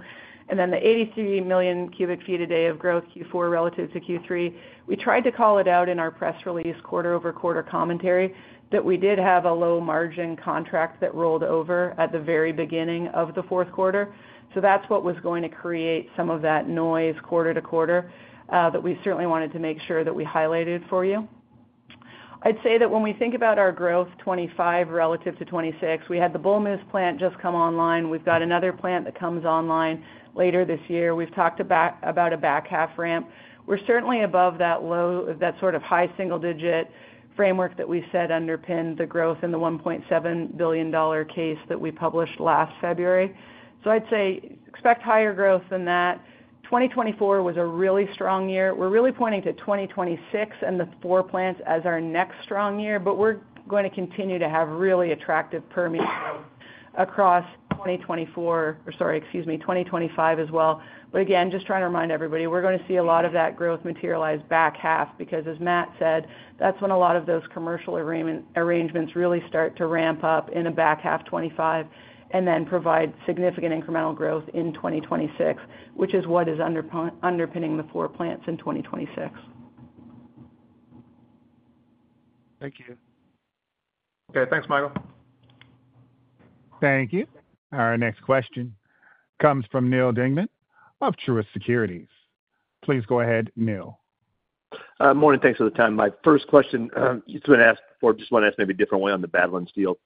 Speaker 4: and then the 83 million cubic feet a day of growth Q4 relative to Q3. We tried to call it out in our press release quarter-over-quarter commentary that we did have a low-margin contract that rolled over at the very beginning of the fourth quarter. So that's what was going to create some of that noise quarter to quarter that we certainly wanted to make sure that we highlighted for you. I'd say that when we think about our growth 2025 relative to 2026, we had the Bull Moose plant just come online. We've got another plant that comes online later this year. We've talked about a back half ramp. We're certainly above that sort of high single-digit framework that we said underpinned the growth in the $1.7 billion case that we published last February. So I'd say expect higher growth than that. 2024 was a really strong year. We're really pointing to 2026 and the four plants as our next strong year, but we're going to continue to have really attractive Permian growth across 2024 or, sorry, excuse me, 2025 as well. But again, just trying to remind everybody, we're going to see a lot of that growth materialize back half because, as Matt said, that's when a lot of those commercial arrangements really start to ramp up in a back half 2025 and then provide significant incremental growth in 2026, which is what is underpinning the four plants in 2026.
Speaker 14: Thank you.
Speaker 3: Okay. Thanks, Michael.
Speaker 1: Thank you. Our next question comes from Neal Dingmann of Truist Securities. Please go ahead, Neal.
Speaker 15: Morning. Thanks for the time. My first question I just wanted to ask maybe a different way on the Badlands sale.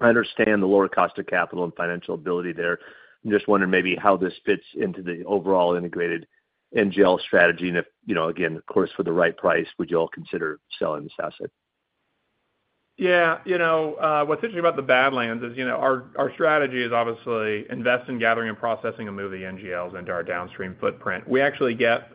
Speaker 15: I understand the lower cost of capital and financial flexibility there. I'm just wondering maybe how this fits into the overall integrated NGL strategy. And if, again, of course, for the right price, would you all consider selling this asset?
Speaker 3: Yeah. What's interesting about the Badlands is our strategy is obviously investing, gathering, and processing and moving NGLs into our downstream footprint. We actually get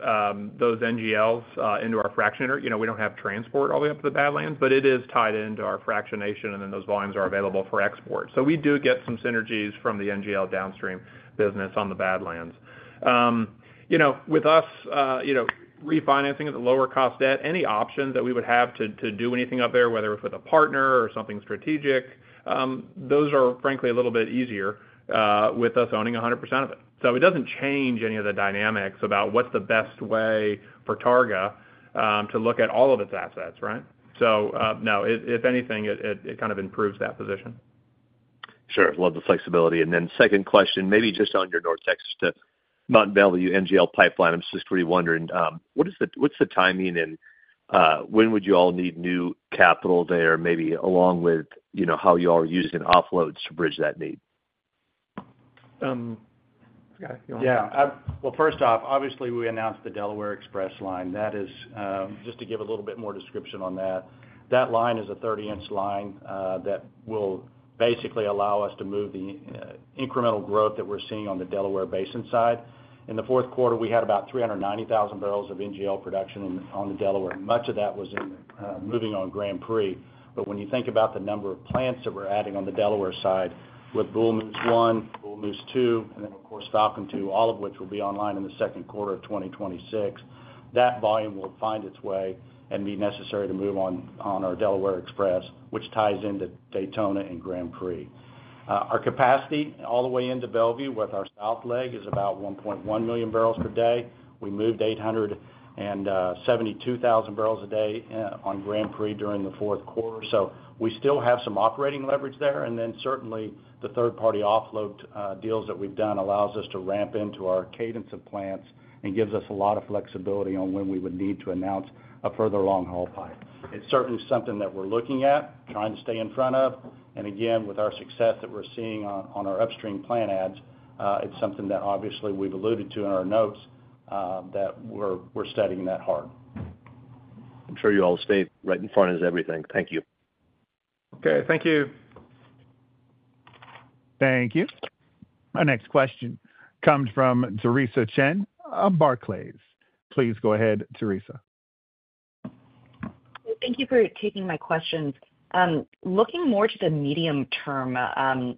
Speaker 3: those NGLs into our fractionator. We don't have transport all the way up to the Badlands, but it is tied into our fractionation, and then those volumes are available for export. So we do get some synergies from the NGL downstream business on the Badlands. With us refinancing at the lower cost debt, any option that we would have to do anything up there, whether it's with a partner or something strategic, those are, frankly, a little bit easier with us owning 100% of it. So it doesn't change any of the dynamics about what's the best way for Targa to look at all of its assets, right? So no, if anything, it kind of improves that position.
Speaker 15: Sure. Love the flexibility. And then second question, maybe just on your North Texas to Mont Belvieu NGL pipeline. I'm just really wondering, what's the timing and when would you all need new capital there, maybe along with how you all are using offloads to bridge that need?
Speaker 3: Yeah. Well, first off, obviously, we announced the Delaware Express line. Just to give a little bit more description on that, that line is a 30-inch line that will basically allow us to move the incremental growth that we're seeing on the Delaware Basin side. In the fourth quarter, we had about 390,000 barrels of NGL production on the Delaware. Much of that was moving on Grand Prix. But when you think about the number of plants that we're adding on the Delaware side with Bull Moose 1, Bull Moose 2, and then, of course, Falcon 2, all of which will be online in the second quarter of 2026, that volume will find its way and be necessary to move on our Delaware Express, which ties into Daytona and Grand Prix. Our capacity all the way into Mont Belvieu with our south leg is about 1.1 million barrels per day. We moved 872,000 barrels a day on Grand Prix during the fourth quarter, so we still have some operating leverage there, and then certainly, the third-party offload deals that we've done allows us to ramp into our cadence of plants and gives us a lot of flexibility on when we would need to announce a further long-haul pipe. It's certainly something that we're looking at, trying to stay in front of, and again, with our success that we're seeing on our upstream plant adds, it's something that obviously we've alluded to in our notes that we're studying that hard.
Speaker 15: I'm sure you all stay right in front as everything. Thank you.
Speaker 3: Okay. Thank you.
Speaker 1: Thank you. Our next question comes from Theresa Chen of Barclays. Please go ahead, Theresa.
Speaker 16: Thank you for taking my questions. Looking more to the medium term,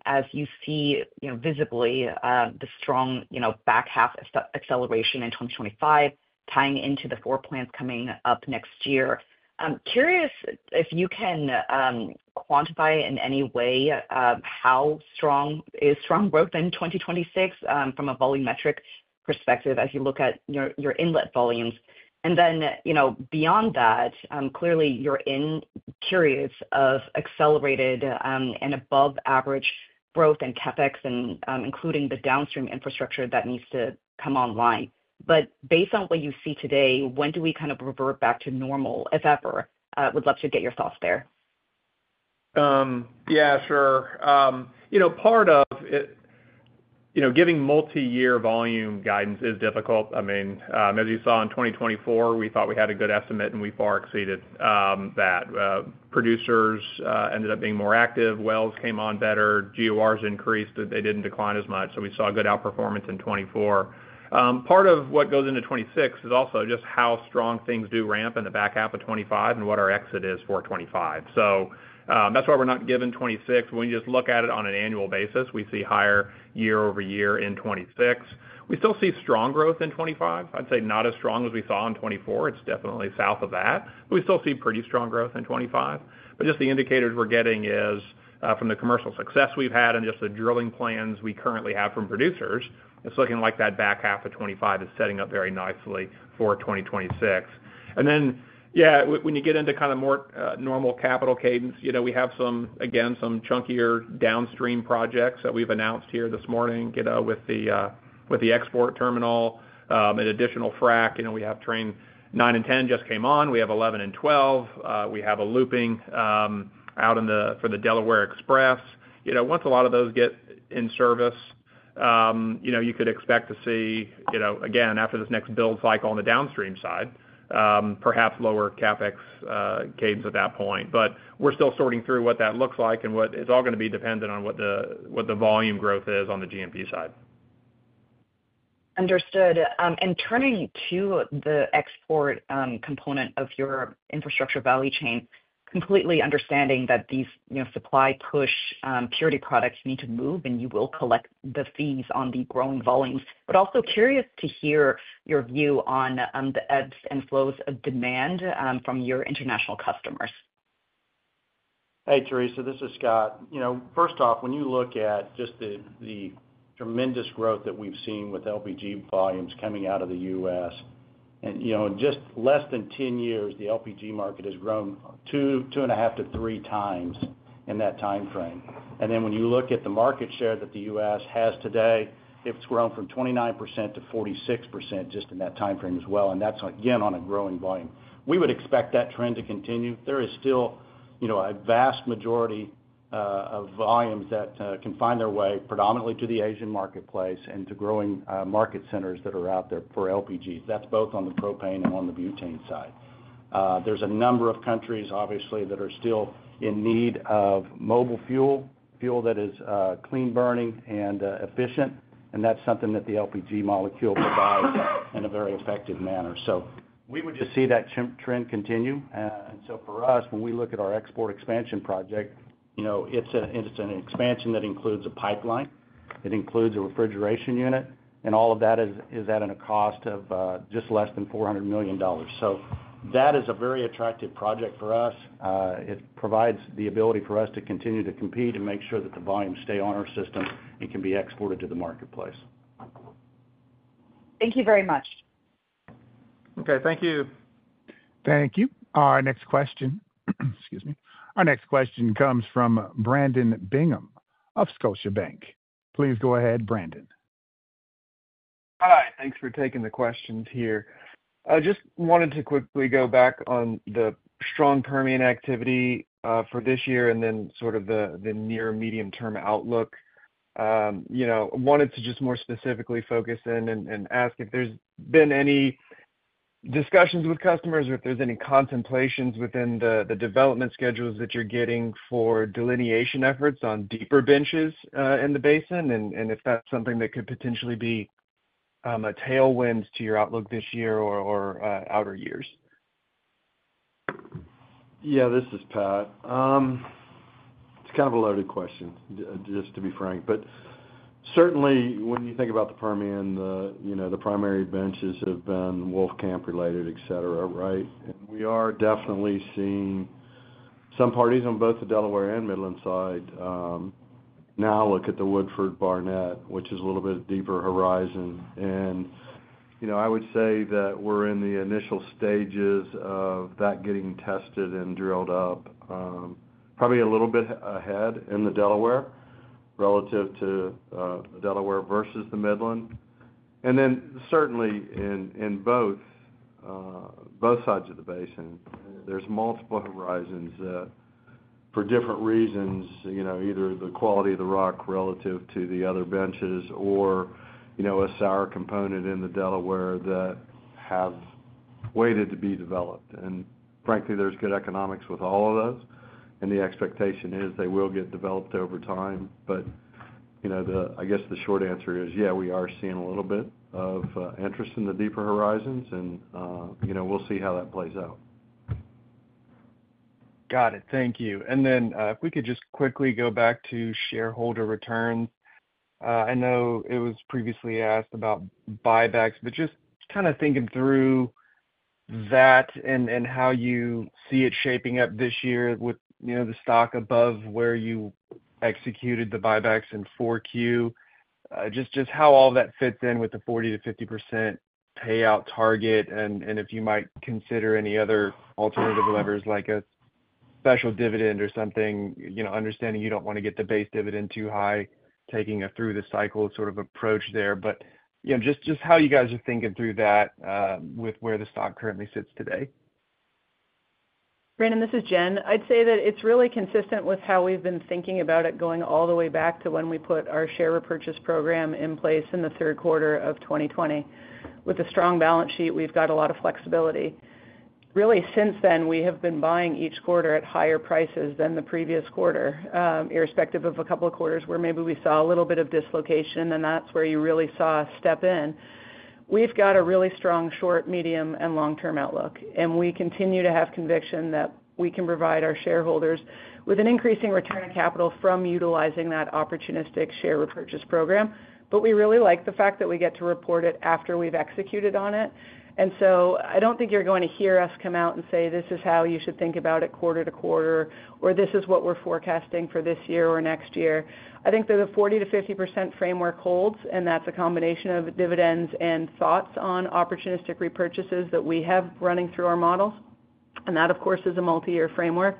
Speaker 16: as you see visibly the strong back half acceleration in 2025, tying into the four plants coming up next year, I'm curious if you can quantify in any way how strong is strong growth in 2026 from a volume metric perspective as you look at your inlet volumes? And then beyond that, clearly, you're in periods of accelerated and above-average growth and CapEx, including the downstream infrastructure that needs to come online. But based on what you see today, when do we kind of revert back to normal, if ever? Would love to get your thoughts there.
Speaker 3: Yeah, sure. Part of giving multi-year volume guidance is difficult. I mean, as you saw in 2024, we thought we had a good estimate, and we far exceeded that. Producers ended up being more active. Wells came on better. GORs increased. They didn't decline as much. So we saw good outperformance in 2024. Part of what goes into 2026 is also just how strong things do ramp in the back half of 2025 and what our exit is for 2025. So that's why we're not given 2026. When you just look at it on an annual basis, we see higher year-over-year in 2026. We still see strong growth in 2025. I'd say not as strong as we saw in 2024. It's definitely south of that. But we still see pretty strong growth in 2025. But just the indicators we're getting is from the commercial success we've had and just the drilling plans we currently have from producers, it's looking like that back half of 2025 is setting up very nicely for 2026. And then, yeah, when you get into kind of more normal capital cadence, we have some, again, some chunkier downstream projects that we've announced here this morning with the export terminal, an additional frac. We have Train 9 and 10 just came on. We have 11 and 12. We have a looping out for the Delaware Express. Once a lot of those get in service, you could expect to see, again, after this next build cycle on the downstream side, perhaps lower CapEx cadence at that point. But we're still sorting through what that looks like, and it's all going to be dependent on what the volume growth is on the G&P side.
Speaker 16: Understood. And turning to the export component of your infrastructure value chain, completely understanding that these supply push purity products need to move, and you will collect the fees on the growing volumes, but also curious to hear your view on the ebbs and flows of demand from your international customers.
Speaker 13: Hey, Theresa. This is Scott Pryor. First off, when you look at just the tremendous growth that we've seen with LPG volumes coming out of the U.S., in just less than 10 years, the LPG market has grown two and a half to three times in that timeframe, and then when you look at the market share that the U.S. has today, it's grown from 29%-46% just in that timeframe as well, and that's, again, on a growing volume. We would expect that trend to continue. There is still a vast majority of volumes that can find their way predominantly to the Asian marketplace and to growing market centers that are out there for LPGs. That's both on the propane and on the butane side. There's a number of countries, obviously, that are still in need of mobile fuel, fuel that is clean burning and efficient. That's something that the LPG molecule provides in a very effective manner. We would just see that trend continue. For us, when we look at our export expansion project, it's an expansion that includes a pipeline. It includes a refrigeration unit. All of that is at a cost of just less than $400 million. That is a very attractive project for us. It provides the ability for us to continue to compete and make sure that the volumes stay on our system and can be exported to the marketplace.
Speaker 16: Thank you very much.
Speaker 3: Okay. Thank you.
Speaker 1: Thank you. Our next question comes from Brandon Bingham of Scotiabank. Please go ahead, Brandon.
Speaker 17: Hi. Thanks for taking the questions here. Just wanted to quickly go back on the strong Permian activity for this year and then sort of the near medium-term outlook. I wanted to just more specifically focus in and ask if there's been any discussions with customers or if there's any contemplations within the development schedules that you're getting for delineation efforts on deeper benches in the basin and if that's something that could potentially be a tailwind to your outlook this year or outer years?
Speaker 9: Yeah, this is Pat. It's kind of a loaded question, just to be frank. But certainly, when you think about the Permian, the primary benches have been Wolfcamp related, etc., right? And we are definitely seeing some parties on both the Delaware and Midland side now look at the Woodford, Barnett, which is a little bit deeper horizon. And I would say that we're in the initial stages of that getting tested and drilled up, probably a little bit ahead in the Delaware relative to Delaware versus the Midland. And then certainly, in both sides of the basin, there's multiple horizons that, for different reasons, either the quality of the rock relative to the other benches or a sour component in the Delaware that have waited to be developed. And frankly, there's good economics with all of those. And the expectation is they will get developed over time. But I guess the short answer is, yeah, we are seeing a little bit of interest in the deeper horizons, and we'll see how that plays out.
Speaker 17: Got it. Thank you. And then if we could just quickly go back to shareholder returns. I know it was previously asked about buybacks, but just kind of thinking through that and how you see it shaping up this year with the stock above where you executed the buybacks in 4Q, just how all that fits in with the 40%-50% payout target and if you might consider any other alternative levers like a special dividend or something, understanding you don't want to get the base dividend too high, taking it through the cycle sort of approach there. But just how you guys are thinking through that with where the stock currently sits today.
Speaker 4: Brandon, this is Jen. I'd say that it's really consistent with how we've been thinking about it going all the way back to when we put our share repurchase program in place in the third quarter of 2020. With a strong balance sheet, we've got a lot of flexibility. Really, since then, we have been buying each quarter at higher prices than the previous quarter, irrespective of a couple of quarters where maybe we saw a little bit of dislocation, and that's where you really saw a step in. We've got a really strong short, medium, and long-term outlook, and we continue to have conviction that we can provide our shareholders with an increasing return of capital from utilizing that opportunistic share repurchase program, but we really like the fact that we get to report it after we've executed on it. And so I don't think you're going to hear us come out and say, "This is how you should think about it quarter to quarter," or, "This is what we're forecasting for this year or next year." I think that the 40%-50% framework holds, and that's a combination of dividends and thoughts on opportunistic repurchases that we have running through our models. And that, of course, is a multi-year framework.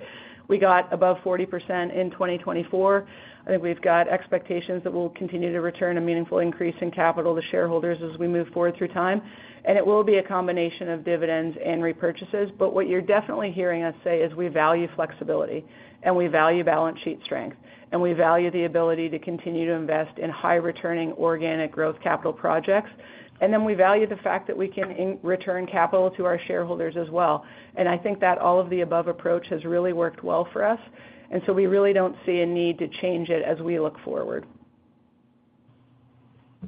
Speaker 4: We got above 40% in 2024. I think we've got expectations that we'll continue to return a meaningful increase in capital to shareholders as we move forward through time. And it will be a combination of dividends and repurchases. But what you're definitely hearing us say is we value flexibility, and we value balance sheet strength, and we value the ability to continue to invest in high-returning organic growth capital projects. We value the fact that we can return capital to our shareholders as well. I think that all of the above approach has really worked well for us. We really don't see a need to change it as we look forward.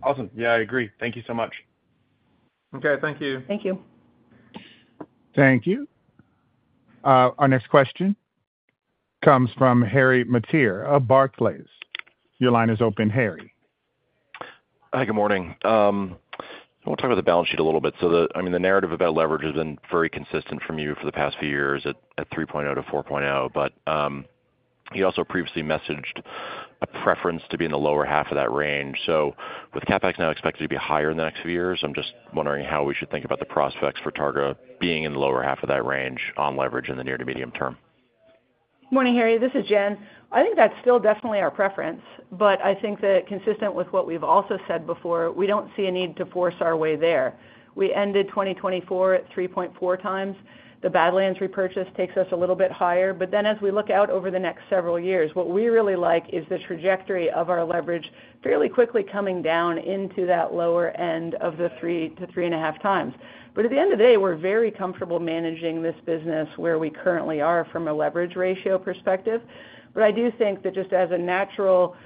Speaker 17: Awesome. Yeah, I agree. Thank you so much.
Speaker 3: Okay. Thank you. Thank you.
Speaker 1: Thank you. Our next question comes from Harry Mateer of Barclays. Your line is open, Harry.
Speaker 18: Hi, good morning. I want to talk about the balance sheet a little bit. So I mean, the narrative about leverage has been very consistent from you for the past few years at 3.0-4.0. But you also previously messaged a preference to be in the lower half of that range. So with CapEx now expected to be higher in the next few years, I'm just wondering how we should think about the prospects for Targa being in the lower half of that range on leverage in the near to medium term.
Speaker 4: Morning, Harry. This is Jen. I think that's still definitely our preference. But I think that consistent with what we've also said before, we don't see a need to force our way there. We ended 2024 at 3.4 times. The Badlands repurchase takes us a little bit higher. But then as we look out over the next several years, what we really like is the trajectory of our leverage fairly quickly coming down into that lower end of the 3-3.5 times. But at the end of the day, we're very comfortable managing this business where we currently are from a leverage ratio perspective. But I do think that just as a natural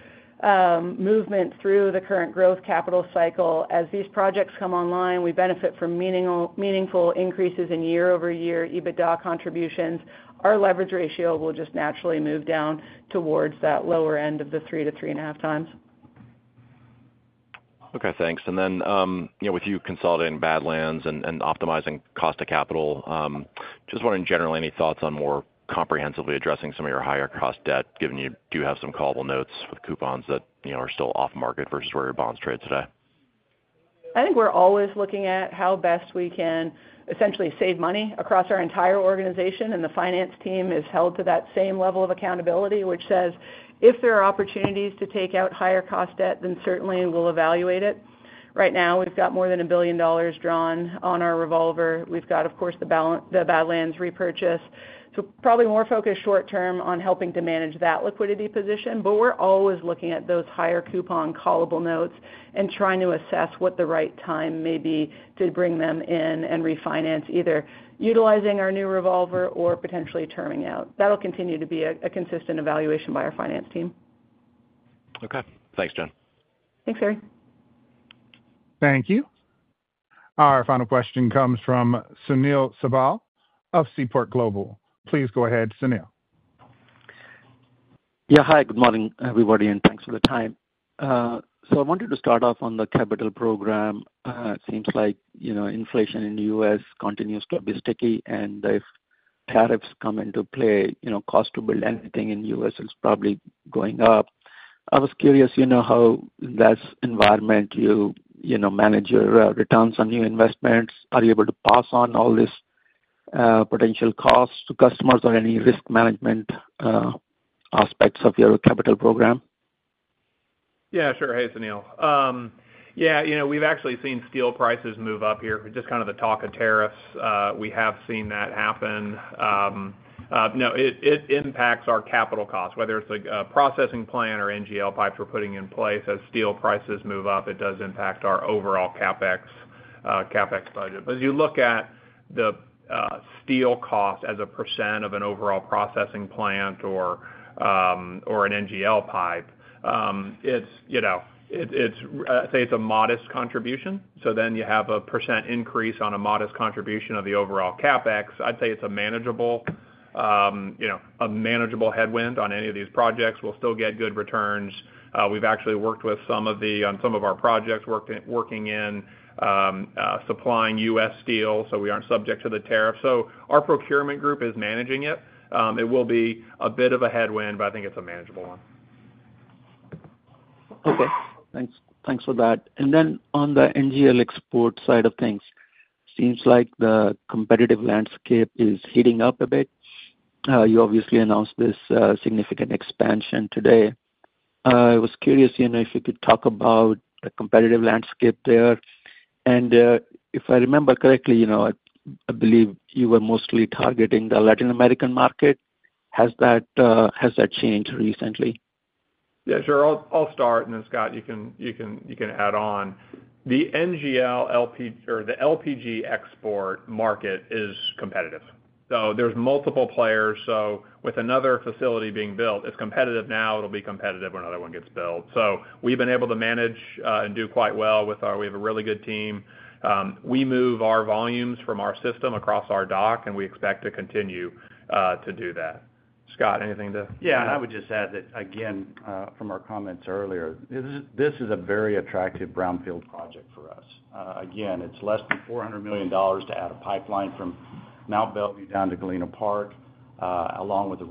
Speaker 4: movement through the current growth capital cycle, as these projects come online, we benefit from meaningful increases in year-over-year EBITDA contributions. Our leverage ratio will just naturally move down towards that lower end of the 3-3.5 times.
Speaker 18: Okay. Thanks. And then with you consolidating Badlands and optimizing cost of capital, just wondering generally any thoughts on more comprehensively addressing some of your higher-cost debt, given you do have some callable notes with coupons that are still off-market versus where your bonds trade today?
Speaker 4: I think we're always looking at how best we can essentially save money across our entire organization. The finance team is held to that same level of accountability, which says if there are opportunities to take out higher-cost debt, then certainly we'll evaluate it. Right now, we've got more than $1 billion drawn on our revolver. We've got, of course, the Badlands repurchase. We're probably more focused short-term on helping to manage that liquidity position. We're always looking at those higher coupon callable notes and trying to assess what the right time may be to bring them in and refinance, either utilizing our new revolver or potentially terming out. That'll continue to be a consistent evaluation by our finance team.
Speaker 18: Okay. Thanks, Jen.
Speaker 4: Thanks, Harry.
Speaker 1: Thank you. Our final question comes from Sunil Sibal of Seaport Global. Please go ahead, Sunil.
Speaker 19: Yeah. Hi, good morning, everybody, and thanks for the time, so I wanted to start off on the capital program. It seems like inflation in the U.S. continues to be sticky, and if tariffs come into play, cost to build anything in the U.S. is probably going up. I was curious how in that environment you manage your returns on new investments. Are you able to pass on all these potential costs to customers or any risk management aspects of your capital program?
Speaker 4: Yeah, sure. Hey, Sunil. Yeah, we've actually seen steel prices move up here. Just kind of the talk of tariffs, we have seen that happen. No, it impacts our capital costs, whether it's a processing plant or NGL pipes we're putting in place. As steel prices move up, it does impact our overall CapEx budget. But as you look at the steel cost as a % of an overall processing plant or an NGL pipe, I'd say it's a modest contribution. So then you have a % increase on a modest contribution of the overall CapEx. I'd say it's a manageable headwind on any of these projects. We'll still get good returns. We've actually worked with some of our projects working in supplying U.S. steel, so we aren't subject to the tariff. So our procurement group is managing it. It will be a bit of a headwind, but I think it's a manageable one.
Speaker 19: Okay. Thanks for that. And then on the NGL export side of things, it seems like the competitive landscape is heating up a bit. You obviously announced this significant expansion today. I was curious if you could talk about the competitive landscape there. And if I remember correctly, I believe you were mostly targeting the Latin American market. Has that changed recently?
Speaker 3: Yeah, sure. I'll start, and then, Scott, you can add on. The NGL or the LPG export market is competitive. So there's multiple players. So with another facility being built, it's competitive now. It'll be competitive when another one gets built. So we've been able to manage and do quite well with our—we have a really good team. We move our volumes from our system across our dock, and we expect to continue to do that. Scott, anything to?
Speaker 13: Yeah. I would just add that, again, from our comments earlier, this is a very attractive brownfield project for us. Again, it's less than $400 million to add a pipeline from Mont Belvieu down to Galena Park, along with a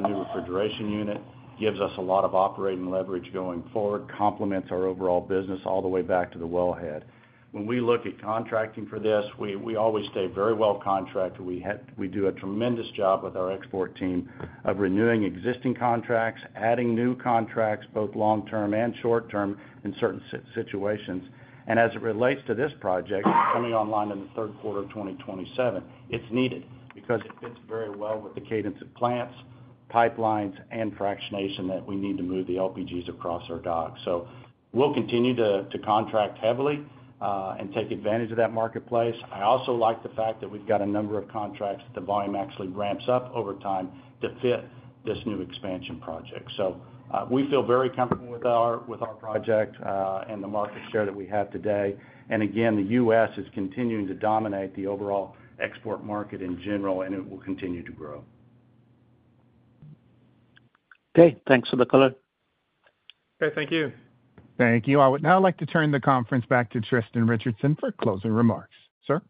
Speaker 13: new refrigeration unit. It gives us a lot of operating leverage going forward, complements our overall business all the way back to the wellhead. When we look at contracting for this, we always stay very well contracted. We do a tremendous job with our export team of renewing existing contracts, adding new contracts, both long-term and short-term in certain situations. And as it relates to this project, coming online in the third quarter of 2027, it's needed because it fits very well with the cadence of plants, pipelines, and fractionation that we need to move the LPGs across our dock. So we'll continue to contract heavily and take advantage of that marketplace. I also like the fact that we've got a number of contracts that the volume actually ramps up over time to fit this new expansion project. So we feel very comfortable with our project and the market share that we have today. And again, the U.S. is continuing to dominate the overall export market in general, and it will continue to grow.
Speaker 19: Okay. Thanks for the call.
Speaker 3: Okay. Thank you.
Speaker 1: Thank you. I would now like to turn the conference back to Tristan Richardson for closing remarks. Sir?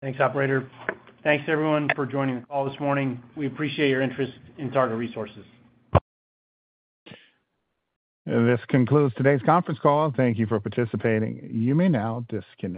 Speaker 2: Thanks, operator. Thanks, everyone, for joining the call this morning. We appreciate your interest in Targa Resources.
Speaker 1: This concludes today's conference call. Thank you for participating. You may now disconnect.